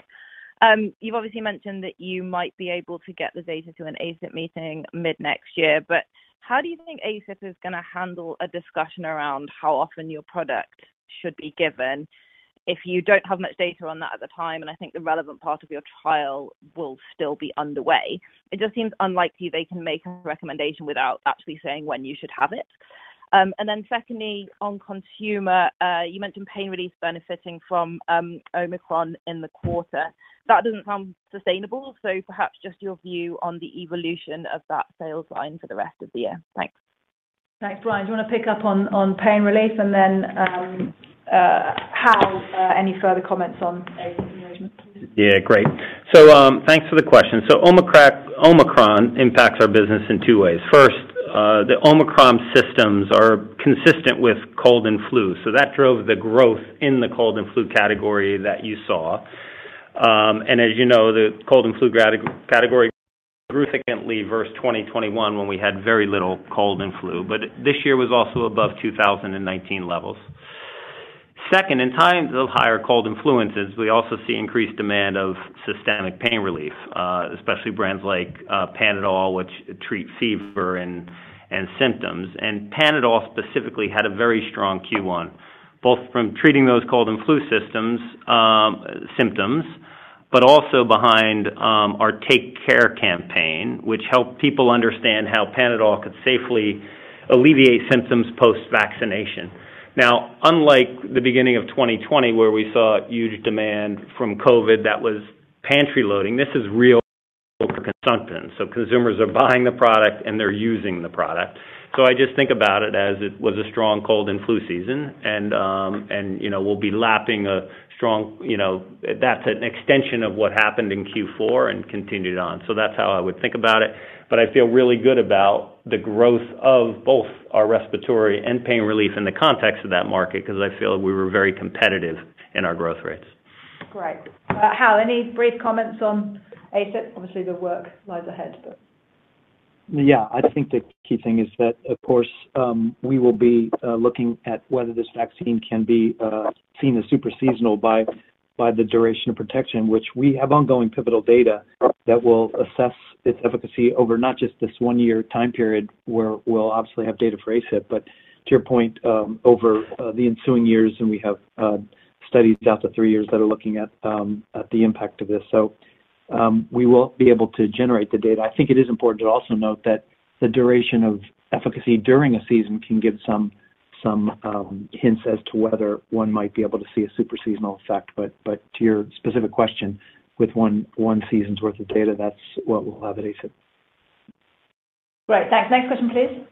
You've obviously mentioned that you might be able to get the data to an ACIP meeting mid-next year, but how do you think ACIP is going to handle a discussion around how often your product should be given if you don't have much data on that at the time, and I think the relevant part of your trial will still be underway? It just seems unlikely they can make a recommendation without actually saying when you should have it. Secondly, on consumer, you mentioned pain relief benefiting from Omicron in the quarter. That doesn't sound sustainable. Perhaps just your view on the evolution of that sales line for the rest of the year. Thanks. Thanks. Brian, do you want to pick up on pain relief and then Hal, any further comments on ACIP engagement, please? Yeah. Great. Thanks for the question. Omicron impacts our business in two ways. First, the Omicron symptoms are consistent with cold and flu, so that drove the growth in the cold and flu category that you saw. As you know, the cold and flu category grew significantly versus 2021 when we had very little cold and flu. This year was also above 2019 levels. Second, in times of higher cold influences, we also see increased demand of systemic pain relief, especially brands like Panadol, which treat fever and symptoms. Panadol specifically had a very strong Q1, both from treating those cold and flu symptoms, but also behind our Take Care campaign, which helped people understand how Panadol could safely alleviate symptoms post-vaccination. Now, unlike the beginning of 2020, where we saw huge demand from COVID that was pantry loading, this is real for consumption. Consumers are buying the product and they're using the product. I just think about it as it was a strong cold and flu season, and you know, we'll be lapping a strong, you know, that's an extension of what happened in Q4 and continued on. That's how I would think about it. I feel really good about the growth of both our respiratory and pain relief in the context of that market, 'cause I feel we were very competitive in our growth rates. Great. Hal, any brief comments on ACIP? Obviously, the work lies ahead, but. Yeah. I think the key thing is that, of course, we will be looking at whether this vaccine can be seen as super seasonal by the duration of protection, which we have ongoing pivotal data that will assess its efficacy over not just this one year time period, where we'll obviously have data for ACIP, but to your point, over the ensuing years, and we have studies out to three years that are looking at the impact of this. We will be able to generate the data. I think it is important to also note that the duration of efficacy during a season can give some hints as to whether one might be able to see a super seasonal effect. To your specific question, with one season's worth of data, that's what we'll have at ACIP. Great. Thanks. Next question, please.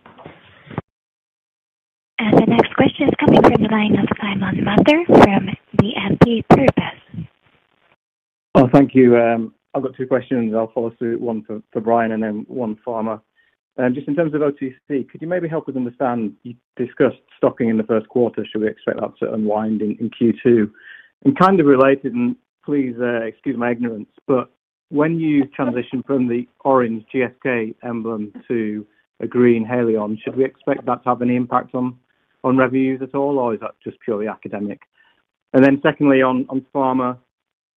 The next question is coming from the line of Simon Mather from BNP Paribas Exane. Thank you. I've got two questions, and I'll follow up one for Brian and then one for Pharma. Just in terms of OTC, could you maybe help us understand. You discussed stocking in the Q1. Should we expect that to unwind in Q2? Kind of related, please excuse my ignorance, but when you transition from the orange GSK emblem to a green Haleon, should we expect that to have any impact on sales at all, or is that just purely academic? Secondly, on Pharma,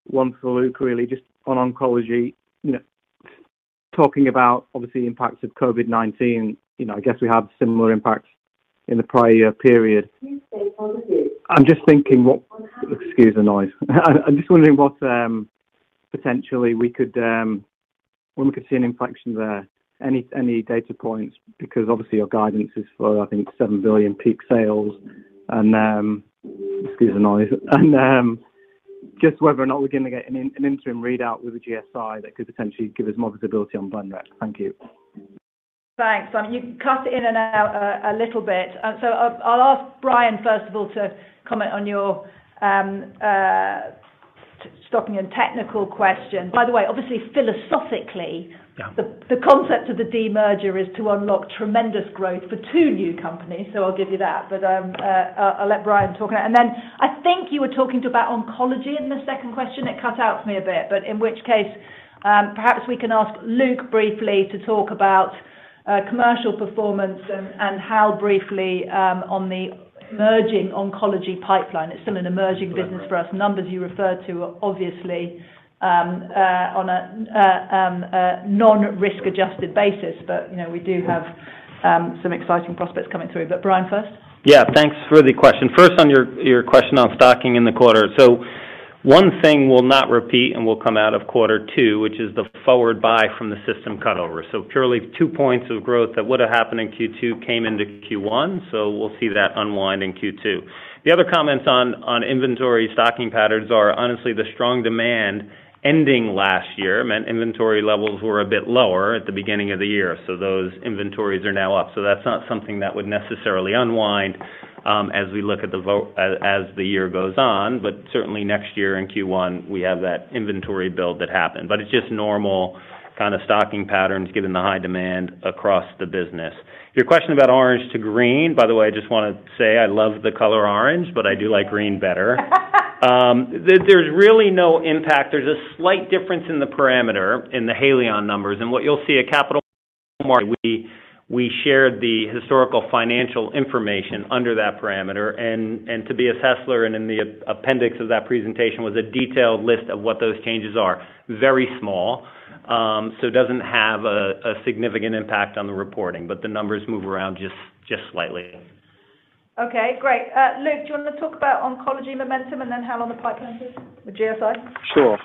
one for Luke, really just on oncology. You know, talking about obviously the impacts of COVID-19, you know, I guess we have similar impacts in the prior period. I'm just thinking what. Excuse the noise. I'm just wondering what potentially we could when we could see an inflection there, any data points, because obviously your guidance is for, I think 7 billion peak sales and, excuse the noise. Just whether or not we're going to get an interim readout with the GSI that could potentially give us more visibility on Blenrep. Thank you. Thanks. You cut in and out a little bit. I'll ask Brian first of all to comment on your stocking and technical question. By the way, obviously philosophically. Yeah. The concept of the demerger is to unlock tremendous growth for two new companies. I'll give you that. I'll let Brian talk about it. Then I think you were talking about oncology in the second question. It cut out for me a bit, but in which case, perhaps we can ask Luke briefly to talk about commercial performance and how briefly on the emerging oncology pipeline. It's still an emerging business for us. Numbers you referred to are obviously on a non-risk adjusted basis, but you know, we do have some exciting prospects coming through. Brian first. Yeah, thanks for the question. First on your question on stocking in the quarter. One thing we'll not repeat and will come out of Q2, which is the forward buy from the system cut over. Purely 2 points of growth that would have happened in Q2 came into Q1, so we'll see that unwind in Q2. The other comments on inventory stocking patterns are honestly the strong demand ending last year meant inventory levels were a bit lower at the beginning of the year. Those inventories are now up. That's not something that would necessarily unwind, as we look at, as the year goes on. Certainly next year in Q1, we have that inventory build that happened. It's just normal kind of stocking patterns given the high demand across the business. Your question about orange to green, by the way, I just want to say I love the color orange, but I do like green better. There's really no impact. There's a slight difference in the parameter in the Haleon numbers. What you'll see at Capital Markets, we shared the historical financial information under that parameter. To assess it and in the appendix of that presentation was a detailed list of what those changes are. Very small, so it doesn't have a significant impact on the reporting, but the numbers move around just slightly. Okay, great. Luke, do you want to talk about oncology momentum and then how we're on the pipeline for GSK? Sure.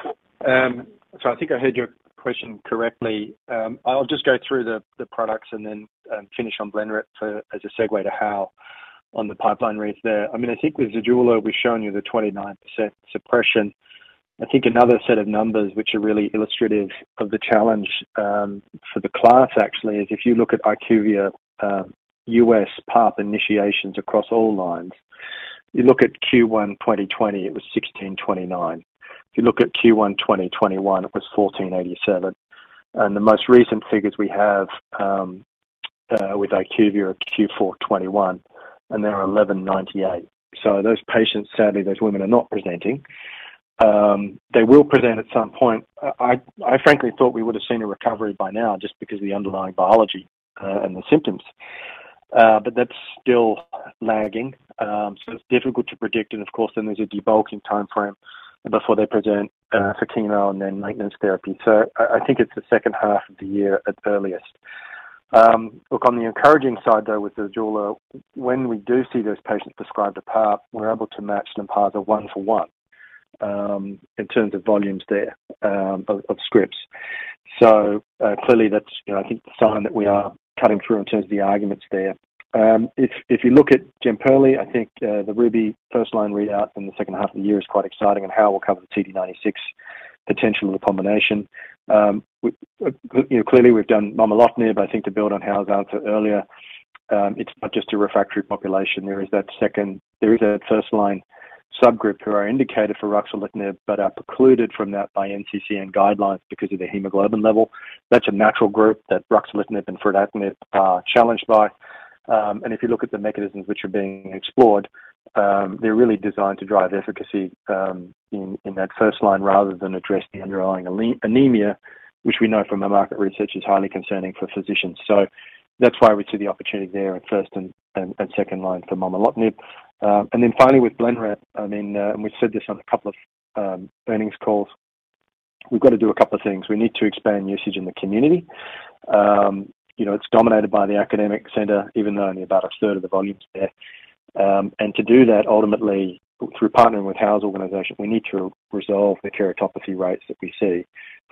I think I heard your question correctly. I'll just go through the products and then finish on Blenrep as a segue to how the pipeline reads there. I mean, I think with ZEJULA, we've shown you the 29% suppression. I think another set of numbers which are really illustrative of the challenge for the class actually is if you look at IQVIA US PARPi initiations across all lines. You look at Q1 2020, it was 1,629. If you look at Q1 2021, it was 1,487. The most recent figures we have with IQVIA of Q4 2021, and there are 1,198. So those patients, sadly, those women are not presenting. They will present at some point. I frankly thought we would have seen a recovery by now just because of the underlying biology, and the symptoms. But that's still lagging. It's difficult to predict. Of course then there's a debulking timeframe before they present for chemo and then maintenance therapy. I think it's the H2 of the year at earliest. Look, on the encouraging side, though, with the ZEJULA, when we do see those patients prescribed a path, we're able to match Lynparza one for one in terms of volumes there of scripts. Clearly that's, you know, I think a sign that we are cutting through in terms of the arguments there. If you look at Jemperli, I think the RUBY first-line readout in the H2 of the year is quite exciting and how we'll cover the CD96 potential of the combination. We clearly have done momelotinib, but I think to build on Hal's answer earlier, it's not just a refractory population. There is a first-line subgroup who are indicated for ruxolitinib but are precluded from that by NCCN guidelines because of the hemoglobin level. That's a natural group that ruxolitinib and fedratinib are challenged by. If you look at the mechanisms which are being explored, they're really designed to drive efficacy in that first-line rather than address the underlying anemia, which we know from our market research is highly concerning for physicians. That's why we see the opportunity there at first and second line for momelotinib. Then finally with Blenrep, I mean, and we've said this on a couple of earnings calls, we've got to do a couple of things. We need to expand usage in the community. You know, it's dominated by the academic center, even though only about a third of the volume is there. To do that ultimately through partnering with Hal's organization, we need to resolve the keratopathy rates that we see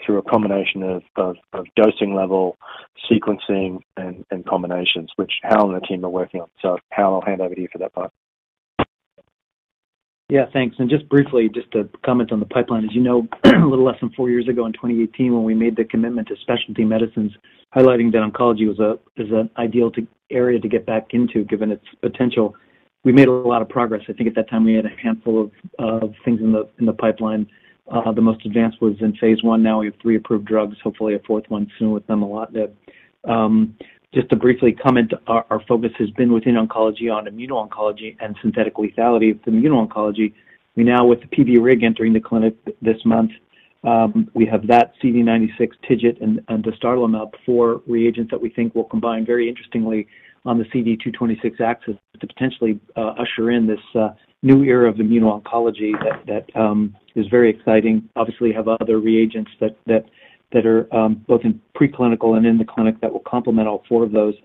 through a combination of dosing level, sequencing and combinations which Hal and the team are working on. Hal, I'll hand over to you for that part. Yeah, thanks. Just briefly, just to comment on the pipeline. As you know, a little less than four years ago in 2018 when we made the commitment to specialty medicines, highlighting that oncology is an ideal area to get back into, given its potential. We made a lot of progress. I think at that time, we had a handful of things in the pipeline. The most advanced was in phase one. Now we have three approved drugs, hopefully a fourth one soon with momelotinib. Just to briefly comment, our focus has been within oncology on immuno-oncology and synthetic lethality. With immuno-oncology, we now, with the PVRIG entering the clinic this month, we have that CD96 TIGIT and the dostarlimab for reagents that we think will combine very interestingly on the CD226 axis to potentially usher in this new era of immuno-oncology that is very exciting. Obviously have other reagents that are both in preclinical and in the clinic that will complement all four of those.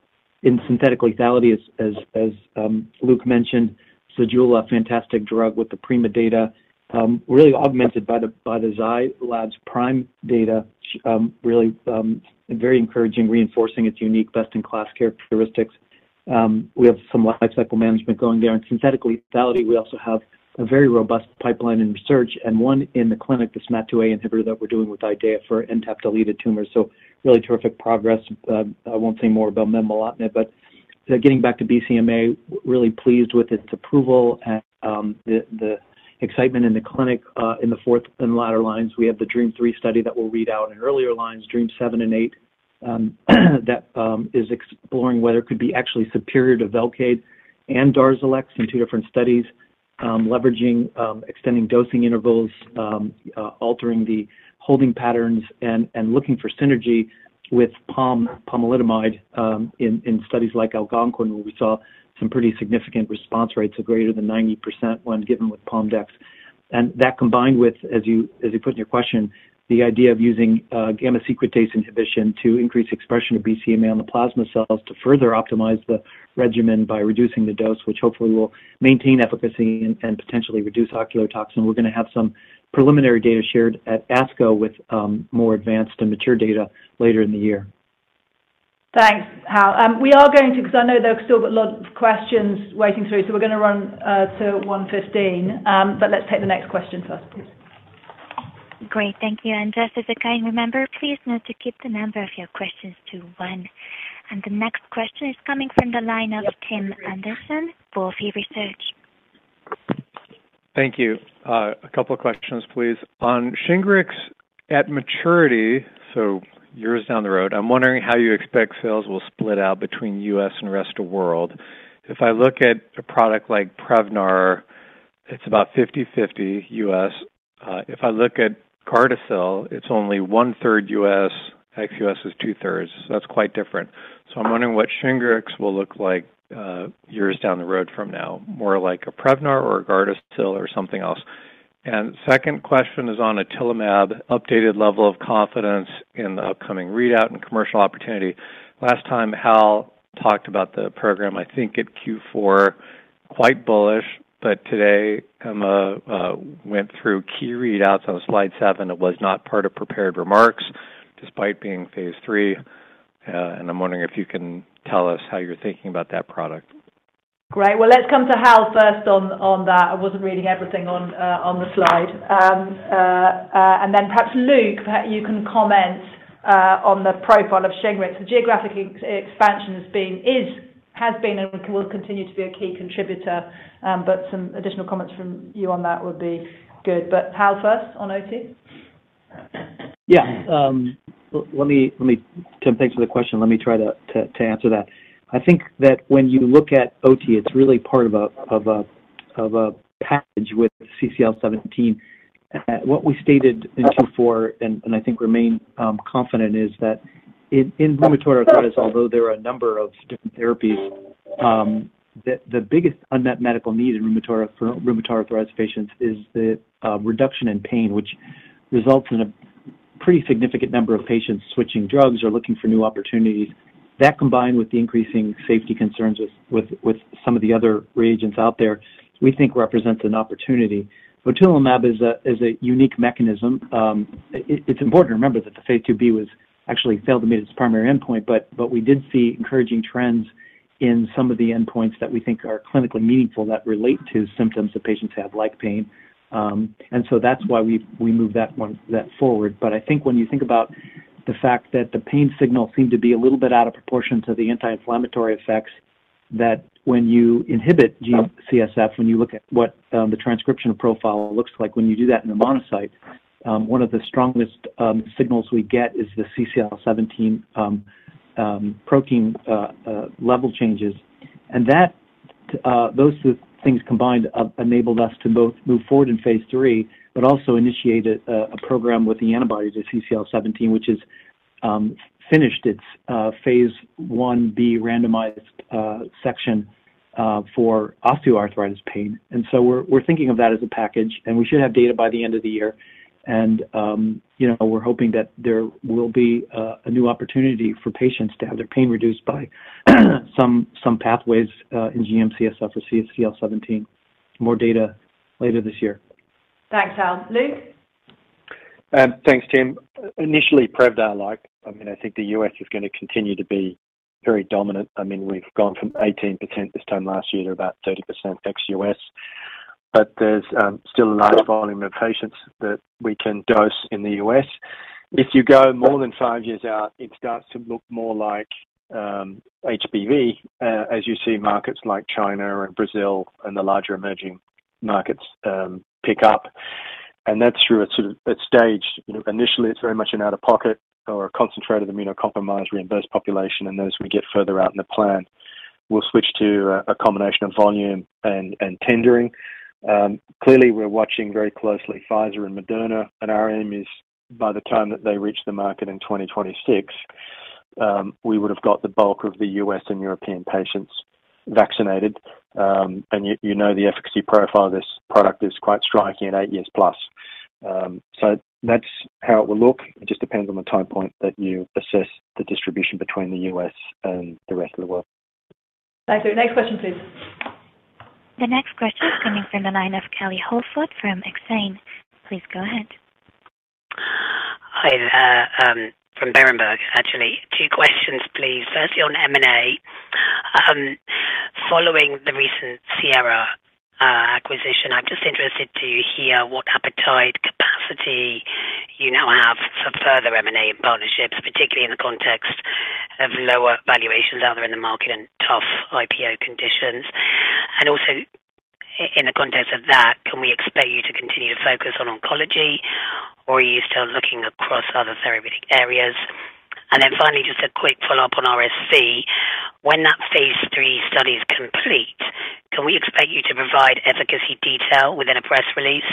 In synthetic lethality, as Luke mentioned, ZEJULA, fantastic drug with the PRIMA data, really augmented by the Zai Lab PRIMA data, really very encouraging, reinforcing its unique best-in-class characteristics. We have some lifecycle management going there. In synthetic lethality, we also have a very robust pipeline in research and one in the clinic, the SMARCA2 inhibitor that we're doing with IDRx for ARID1A-deleted tumors. Really terrific progress. I won't say more about momelotinib, but getting back to BCMA, really pleased with its approval and the excitement in the clinic, in the fourth and later lines. We have the DREAMM-3 study that we'll read out in earlier lines, DREAMM-7 and DREAMM-8, that is exploring whether it could be actually superior to Velcade and Darzalex in two different studies, leveraging extending dosing intervals, altering the holding patterns and looking for synergy with POM, pomalidomide, in studies like ALGONQUIN, where we saw some pretty significant response rates of greater than 90% when given with PomDex. That combined with, as you put in your question, the idea of using gamma secretase inhibition to increase expression of BCMA on the plasma cells to further optimize the regimen by reducing the dose, which hopefully will maintain efficacy and potentially reduce ocular toxicity. We're going to have some preliminary data shared at ASCO with more advanced and mature data later in the year. Thanks, Hal. Cause I know there are still a lot of questions waiting through, so we're going to run to 1:15. Let's take the next question first, please. Great. Thank you. Just as a kind reminder, please note to keep the number of your questions to one. The next question is coming from the line of Tim Anderson, Wolfe Research. Thank you. A couple of questions, please. On Shingrix at maturity, so years down the road, I'm wondering how you expect sales will split out between US and rest of world. If I look at a product like Prevnar, it's about 50/50 US. If I look at Gardasil, it's only one-third US, ex-US is two-thirds. That's quite different. I'm wondering what Shingrix will look like, years down the road from now, more like a Prevnar or a Gardasil or something else. Second question is on otilimab updated level of confidence in the upcoming readout and commercial opportunity. Last time, Hal talked about the program, I think at Q4, quite bullish, but today, Emma, went through key readouts on slide 7. It was not part of prepared remarks, despite being phase 3. I'm wondering if you can tell us how you're thinking about that product. Great. Well, let's come to Hal first on that. I wasn't reading everything on the slide. Then perhaps, Luke, you can comment on the profile of Shingrix. The geographic ex-US expansion has been and will continue to be a key contributor, but some additional comments from you on that would be good. Hal, first on OT. Tim, thanks for the question. Let me try to answer that. I think that when you look at OT, it's really part of a package with CCL17. What we stated in 2024, and I think remain confident, is that in rheumatoid arthritis, although there are a number of different therapies, the biggest unmet medical need for rheumatoid arthritis patients is the reduction in pain, which results in a pretty significant number of patients switching drugs or looking for new opportunities. That combined with the increasing safety concerns with some of the other regimens out there, we think represents an opportunity. Otilimab is a unique mechanism. It's important to remember that the Phase 2b actually failed to meet its primary endpoint, but we did see encouraging trends in some of the endpoints that we think are clinically meaningful that relate to symptoms that patients have, like pain. That's why we moved that one forward. I think when you think about the fact that the pain signal seemed to be a little bit out of proportion to the anti-inflammatory effects, that when you inhibit GM-CSF, when you look at what the transcription profile looks like when you do that in a monocyte, one of the strongest signals we get is the CCL17 protein level changes. That those two things combined enabled us to both move forward in phase 3, but also initiate a program with the antibodies of CCL17, which has finished its phase 1b randomized section for osteoarthritis pain. We're thinking of that as a package, and we should have data by the end of the year. You know, we're hoping that there will be a new opportunity for patients to have their pain reduced by some pathways in GM-CSF or CCL17. More data later this year. Thanks, Hal. Luke? Thanks, Tim. Initially, Prevnar like, I mean, I think the US is going to continue to be very dominant. I mean, we've gone from 18% this time last year to about 30% ex-US. There's still a large volume of patients that we can dose in the U.S. If you go more than five years out, it starts to look more like HPV, as you see markets like China and Brazil and the larger emerging markets pick up. That's through a sort of stage. Initially, it's very much an out-of-pocket or a concentrated immunocompromised reimbursed population. As we get further out in the plan, we'll switch to a combination of volume and tendering. Clearly, we're watching very closely Pfizer and Moderna, and our aim is by the time that they reach the market in 2026, we would have got the bulk of the U.S. and European patients vaccinated. You know the efficacy profile of this product is quite striking at eight years plus. That's how it will look. It just depends on the time point that you assess the distribution between the U.S. and the rest of the world. Thank you. Next question, please. The next question is coming from the line of Kerry Holford from Exane. Please go ahead. Hi. From Berenberg, actually. Two questions, please. First, on M&A. Following the recent Sierra acquisition, I'm just interested to hear what appetite and capacity you now have for further M&A partnerships, particularly in the context of lower valuations out there in the market and tough IPO conditions. In the context of that, can we expect you to continue to focus on oncology, or are you still looking across other therapeutic areas? Finally, just a quick follow-up on RSV. When that phase 3 study is complete, can we expect you to provide efficacy detail within a press release,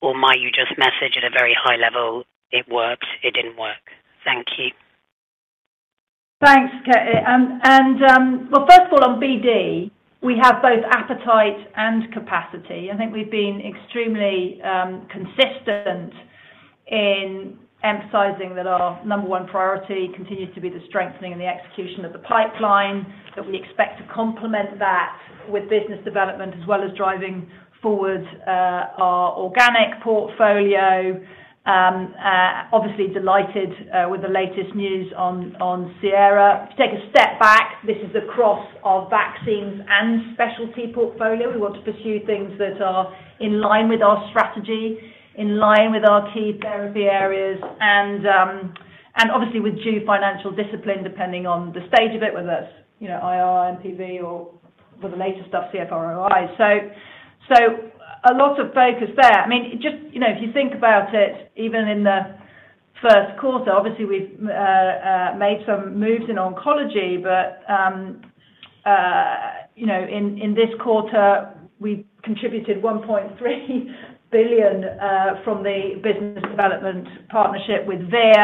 or might you just message at a very high level, "It works. It didn't work." Thank you. Thanks, Kerry. Well, first of all, on BD, we have both appetite and capacity. I think we've been extremely consistent in emphasizing that our number one priority continues to be the strengthening and the execution of the pipeline, that we expect to complement that with business development as well as driving forward our organic portfolio. Obviously delighted with the latest news on Sierra. To take a step back, this is across our vaccines and specialty portfolio. We want to pursue things that are in line with our strategy, in line with our key therapy areas, and obviously with due financial discipline, depending on the stage of it, whether that's, you know, IRR, NPV, or for the major stuff, CFROI. So a lot of focus there. I mean, just, you know, if you think about it, even in the Q1, obviously, we've made some moves in oncology. You know, in this quarter, we contributed $1.3 billion from the business development partnership with Vir.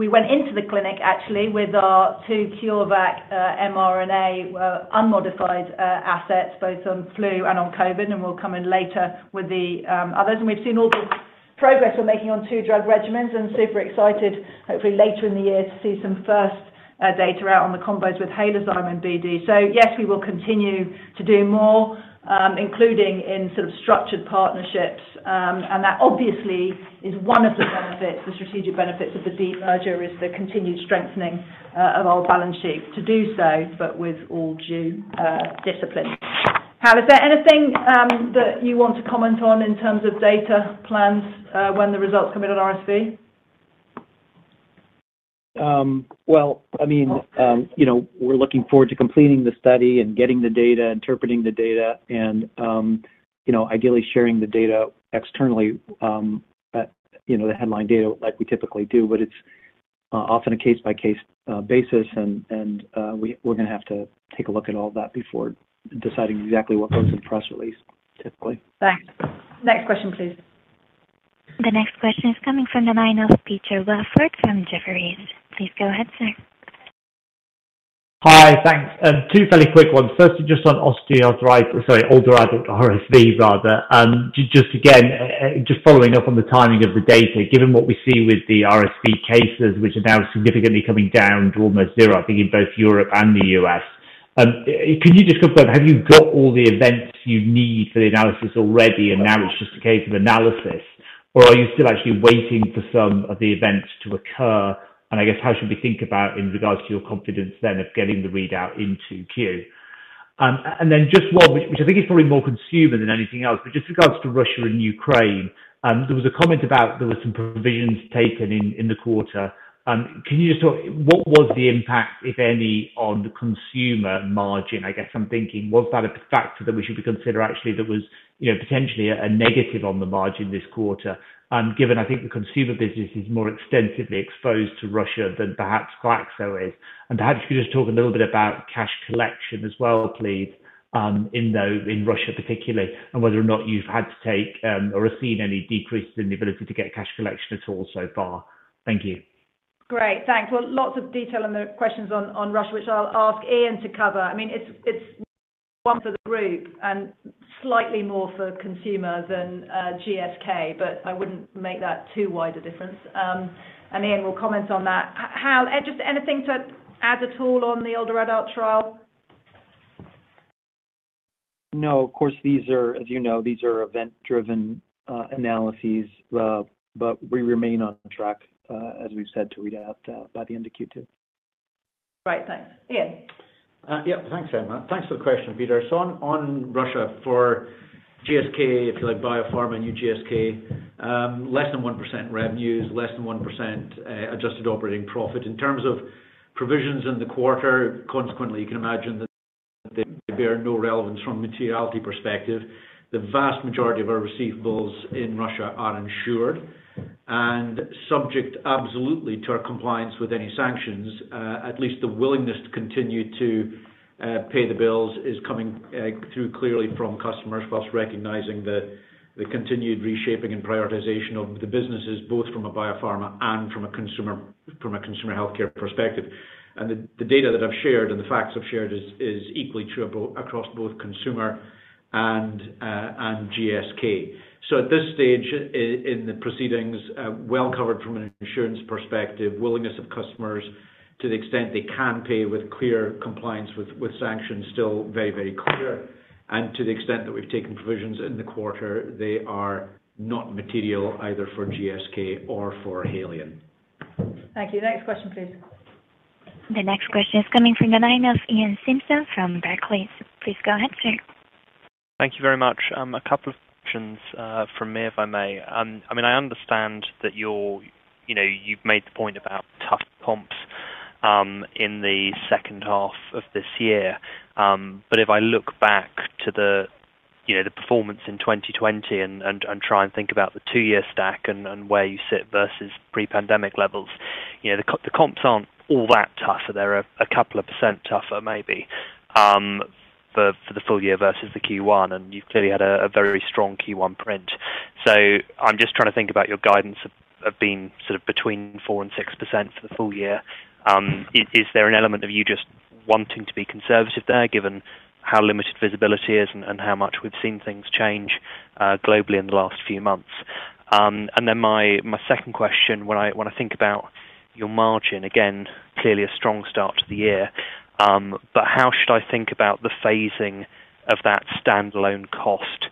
We went into the clinic, actually, with our two CureVac mRNA unmodified assets, both on flu and on COVID, and we'll come in later with the others. We've seen all the progress we're making on two drug regimens, and super excited, hopefully later in the year, to see some first data out on the combos with Halozyme and BD. Yes, we will continue to do more, including in sort of structured partnerships. That obviously is one of the benefits, the strategic benefits of the demerger, is the continued strengthening of our balance sheet to do so, but with all due discipline. Hal, is there anything that you want to comment on in terms of data plans when the results come in on RSV? Well, I mean, you know, we're looking forward to completing the study and getting the data, interpreting the data, and, you know, ideally sharing the data externally, at, you know, the headline data like we typically do, but it's often a case-by-case basis and, we're going to have to take a look at all that before deciding exactly what goes in the press release, typically. Thanks. Next question, please. The next question is coming from the line of Peter Welford from Jefferies. Please go ahead, sir. Hi. Thanks. Two fairly quick ones. Firstly, just on older adult RSV rather. Just again, just following up on the timing of the data, given what we see with the RSV cases, which are now significantly coming down to almost zero, I think in both Europe and the U.S. Could you just confirm, have you got all the events you need for the analysis already, and now it's just a case of analysis? Or are you still actually waiting for some of the events to occur? I guess how should we think about in regards to your confidence then of getting the readout into Q? Then just one, which I think is probably more consumer than anything else, but just regards to Russia and Ukraine. There was a comment about there were some provisions taken in the quarter. Can you just talk, what was the impact, if any, on the consumer margin? I guess I'm thinking, was that a factor that we should consider actually that was, you know, potentially a negative on the margin this quarter? Given, I think the consumer business is more extensively exposed to Russia than perhaps Glaxo is. Perhaps you could just talk a little bit about cash collection as well, please, in Russia particularly, and whether or not you've had to take, or have seen any decreases in the ability to get cash collection at all so far. Thank you. Great. Thanks. Well, lots of detail on the questions on Russia, which I'll ask Iain to cover. I mean, it's one for the group and slightly more for consumer than GSK, but I wouldn't make that too wide a difference. Iain will comment on that. Hal, just anything to add at all on the older adult trial? No, of course, these are, as you know, event-driven analyses, but we remain on track, as we've said, to read out by the end of Q2. Right. Thanks. Iain? Yeah. Thanks, Emma. Thanks for the question, Peter. So on Russia for GSK, if you like Biopharma, new GSK, less than 1% revenues, less than 1% adjusted operating profit. In terms of provisions in the quarter, consequently, you can imagine that they bear no relevance from materiality perspective. The vast majority of our receivables in Russia are insured and subject absolutely to our compliance with any sanctions, at least the willingness to continue to pay the bills is coming through clearly from customers, plus recognizing the continued reshaping and prioritization of the businesses, both from a Biopharma and from a consumer healthcare perspective. The data that I've shared and the facts I've shared is equally true across both consumer and GSK. At this stage in the proceedings, well covered from an insurance perspective, willingness of customers to the extent they can pay with clear compliance with sanctions still very, very clear. To the extent that we've taken provisions in the quarter, they are not material either for GSK or for Haleon. Thank you. Next question, please. The next question is coming from the line of Iain Simpson from Barclays. Please go ahead, sir. Thank you very much. A couple of questions from me, if I may. I mean, I understand that you're, you know, you've made the point about tough comps in the H2 of this year. But if I look back to the, you know, the performance in 2020 and try and think about the two-year stack and where you sit versus pre-pandemic levels, you know, the comps aren't all that tougher. They're a couple of percent tougher maybe for the full year versus the Q1, and you've clearly had a very strong Q1 print. I'm just trying to think about your guidance of being sort of between 4%-6% for the full year. Is there an element of you just wanting to be conservative there, given how limited visibility is and how much we've seen things change globally in the last few months? Then my second question, when I think about your margin, again, clearly a strong start to the year, but how should I think about the phasing of that standalone cost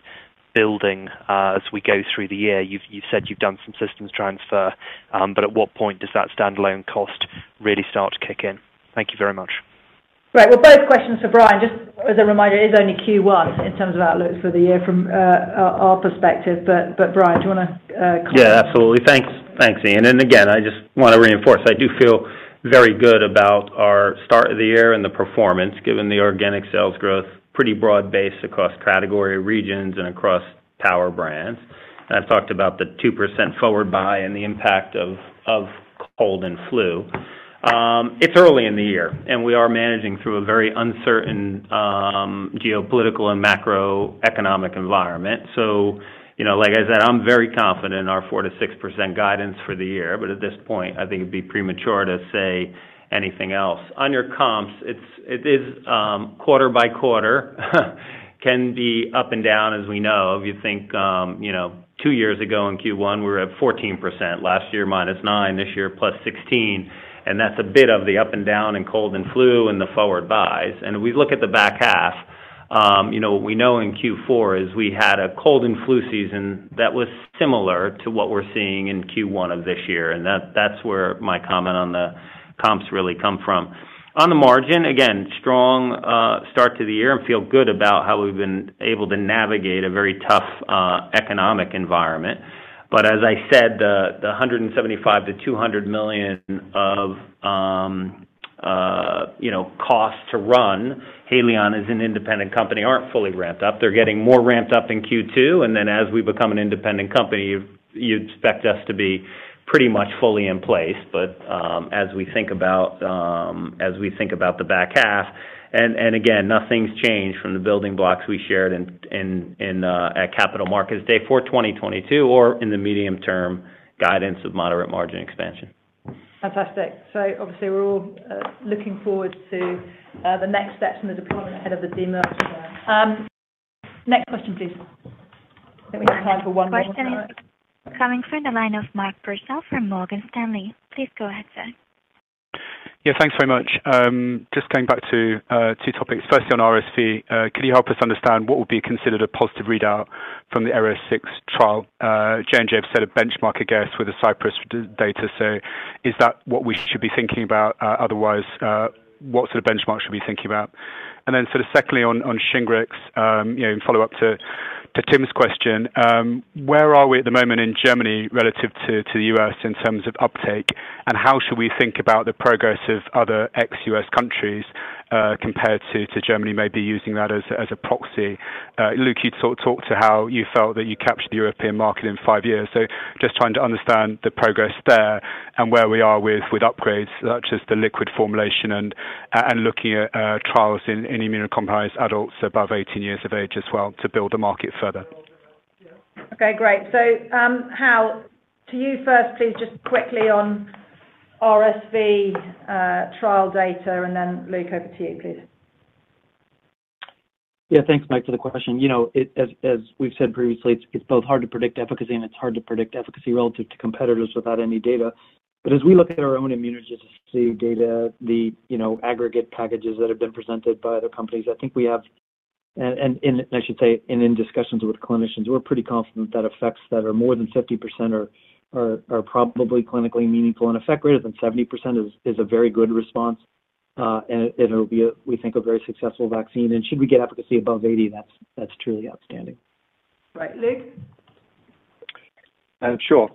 building as we go through the year? You've said you've done some systems transfer, but at what point does that standalone cost really start to kick in? Thank you very much. Right. Well, both questions for Brian. Just as a reminder, it is only Q1 in terms of outlook for the year from our perspective. Brian, do you want to comment? Yeah, absolutely. Thanks. Thanks, Iain. Again, I just want to reinforce, I do feel very good about our start of the year and the performance, given the organic sales growth, pretty broad-based across category regions and across power brands. I've talked about the 2% forward buy and the impact of cold and flu. It's early in the year, and we are managing through a very uncertain geopolitical and macroeconomic environment. You know, like I said, I'm very confident in our 4%-6% guidance for the year, but at this point, I think it'd be premature to say anything else. On your comps, it is quarter by quarter, can be up and down, as we know. If you think, you know, two years ago in Q1, we were at 14%. Last year, -9%. This year, +16%. That's a bit of the up and down in cold and flu and the forward buys. We look at the back half, you know, we know in Q4 we had a cold and flu season that was similar to what we're seeing in Q1 of this year, and that's where my comment on the comps really come from. On the margin, again, strong start to the year and feel good about how we've been able to navigate a very tough economic environment. As I said, the 175 million-200 million of you know, costs to run Haleon as an independent company aren't fully ramped up. They're getting more ramped up in Q2, and then as we become an independent company, you'd expect us to be pretty much fully in place. As we think about the back half, and again, nothing's changed from the building blocks we shared in at Capital Markets Day for 2022 or in the medium-term guidance of moderate margin expansion. Fantastic. Obviously, we're all looking forward to the next steps in the deployment ahead of the demerger. Next question, please. I think we have time for one more. The next question is coming from the line of Mark Purcell from Morgan Stanley. Please go ahead, sir. Yeah, thanks very much. Just going back to two topics. Firstly, on RSV, could you help us understand what would be considered a positive readout from the AReSVi-006 trial? J&J have set a benchmark, I guess, with the Cypress data. So is that what we should be thinking about? Otherwise, what sort of benchmark should we be thinking about? Then sort of secondly, on Shingrix, you know, in follow-up to Tim's question, where are we at the moment in Germany relative to the US in terms of uptake, and how should we think about the progress of other ex-US countries compared to Germany, maybe using that as a proxy? Luke, you sort of talked to how you felt that you captured the European market in five years. Just trying to understand the progress there and where we are with upgrades such as the liquid formulation and looking at trials in immunocompromised adults above 18 years of age as well to build the market further. Okay, great. Hal Barron, to you first, please, just quickly on RSV trial data, and then Luke Miels, over to you, please. Yeah, thanks, Mark, for the question. You know, as we've said previously, it's both hard to predict efficacy, and it's hard to predict efficacy relative to competitors without any data. But as we look at our own immunogenicity data, you know, aggregate packages that have been presented by other companies, I think we have. I should say, in discussions with clinicians, we're pretty confident that effects that are more than 50% are probably clinically meaningful. Effect greater than 70% is a very good response, and it'll be, we think, a very successful vaccine. Should we get efficacy above 80%, that's truly outstanding. Right. Luke? Sure,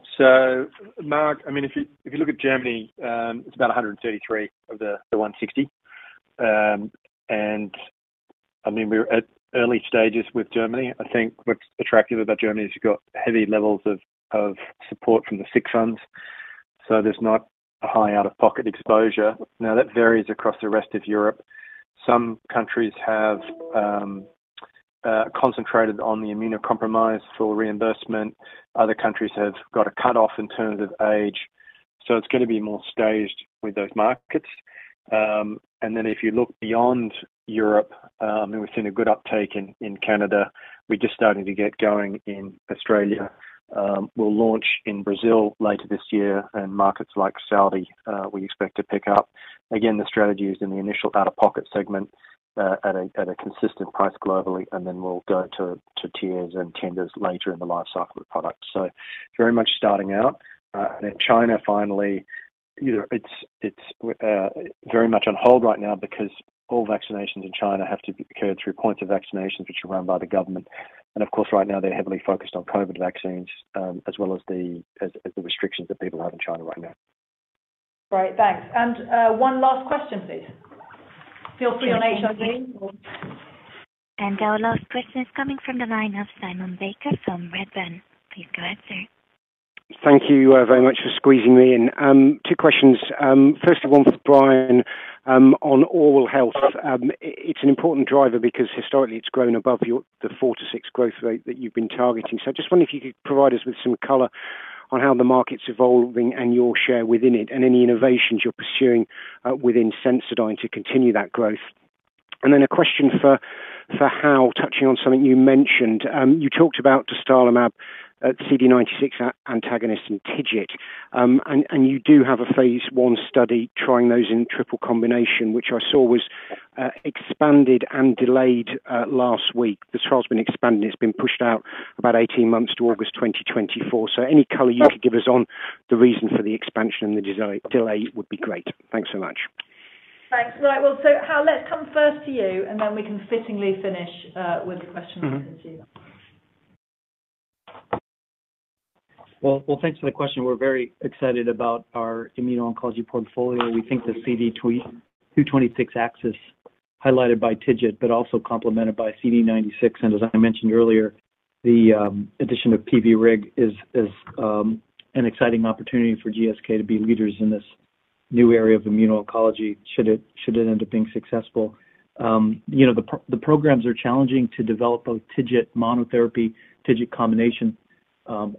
Mark. I mean, if you look at Germany, it's about 133 of the 160. I mean, we're at early stages with Germany. I think what's attractive about Germany is you've got heavy levels of support from the sickness funds, so there's not a high out-of-pocket exposure. Now, that varies across the rest of Europe. Some countries have concentrated on the immunocompromised for reimbursement. Other countries have got a cutoff in terms of age, so it's going to be more staged with those markets. If you look beyond Europe, we've seen a good uptake in Canada. We're just starting to get going in Australia. We'll launch in Brazil later this year, and markets like Saudi we expect to pick up. Again, the strategy is in the initial out-of-pocket segment at a consistent price globally, and then we'll go to tiers and tenders later in the lifecycle of the product. Very much starting out. In China, finally, you know, it's very much on hold right now because all vaccinations in China have to occur through points of vaccinations, which are run by the government. Of course, right now they're heavily focused on COVID vaccines, as well as the restrictions that people have in China right now. Great. Thanks. one last question, please. Feel free on HIV or. Our last question is coming from the line of Simon Baker from Redburn. Please go ahead, sir. Thank you very much for squeezing me in. Two questions. Firstly, one for Brian on oral health. It's an important driver because historically it's grown above your the 4%-6% growth rate that you've been targeting. Just wondering if you could provide us with some color on how the market's evolving and your share within it and any innovations you're pursuing within Sensodyne to continue that growth. A question for Hal, touching on something you mentioned. You talked about dostarlimab at CD96 antagonist and TIGIT. You do have a phase 1 study trying those in triple combination, which I saw was expanded and delayed last week. The trial's been expanded, it's been pushed out about 18 months to August 2024. Any color you could give us on the reason for the expansion and the delay would be great. Thanks so much. Thanks. Right. Well, Hal, let's come first to you, and then we can fittingly finish, with a question open to you. Well, thanks for the question. We're very excited about our immuno-oncology portfolio. We think the CD226 axis highlighted by TIGIT but also complemented by CD96. As I mentioned earlier, the addition of PVRIG is an exciting opportunity for GSK to be leaders in this new area of immuno-oncology should it end up being successful. You know, the programs are challenging to develop both TIGIT monotherapy, TIGIT combination,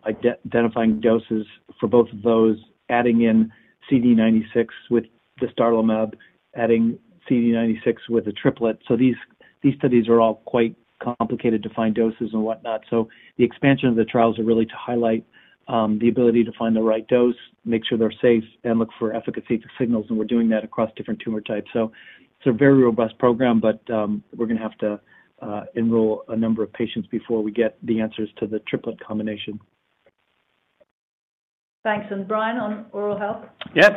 identifying doses for both of those, adding in CD96 with dostarlimab, adding CD96 with a triplet. These studies are all quite complicated to find doses and whatnot. The expansion of the trials are really to highlight the ability to find the right dose, make sure they're safe, and look for efficacy signals, and we're doing that across different tumor types. It's a very robust program, but we're gonna have to enroll a number of patients before we get the answers to the triplet combination. Thanks. Brian, on oral health. Yeah.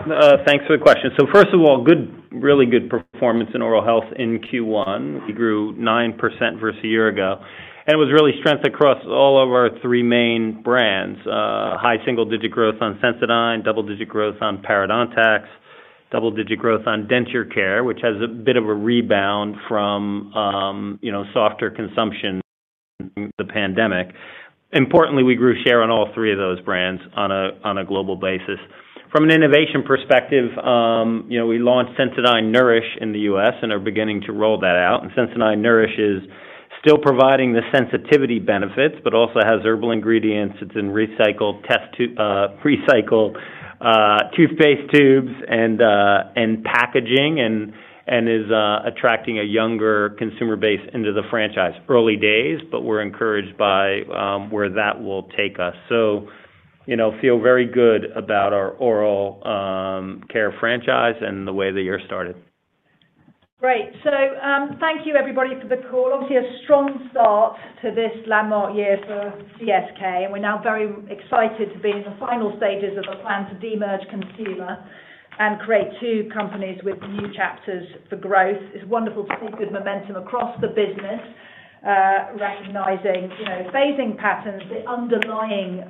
Thanks for the question. First of all, really good performance in oral health in Q1. We grew 9% versus a year ago, and it was really strong across all of our three main brands. High single-digit growth on Sensodyne, double-digit growth on parodontax, double-digit growth on Denture Care, which has a bit of a rebound from, you know, softer consumption from the pandemic. Importantly, we grew share on all three of those brands on a global basis. From an innovation perspective, you know, we launched Sensodyne Nourish in the U.S. and are beginning to roll that out. Sensodyne Nourish is still providing the sensitivity benefits but also has herbal ingredients. It's in recycled toothpaste tubes and packaging and is attracting a younger consumer base into the franchise. Early days, but we're encouraged by where that will take us. You know, feel very good about our oral care franchise and the way the year started. Great. Thank you everybody for the call. Obviously, a strong start to this landmark year for GSK, and we're now very excited to be in the final stages of a plan to de-merge Consumer and create two companies with new chapters for growth. It's wonderful to see good momentum across the business, recognizing, you know, phasing patterns. The underlying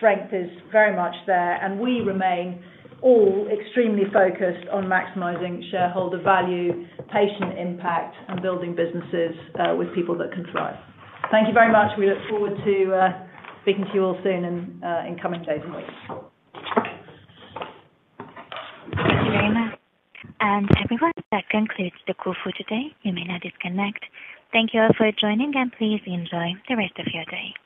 strength is very much there, and we remain all extremely focused on maximizing shareholder value, patient impact, and building businesses with people that can thrive. Thank you very much. We look forward to speaking to you all soon in coming days and weeks. Thank you very much. Everyone, that concludes the call for today. You may now disconnect. Thank you all for joining, and please enjoy the rest of your day.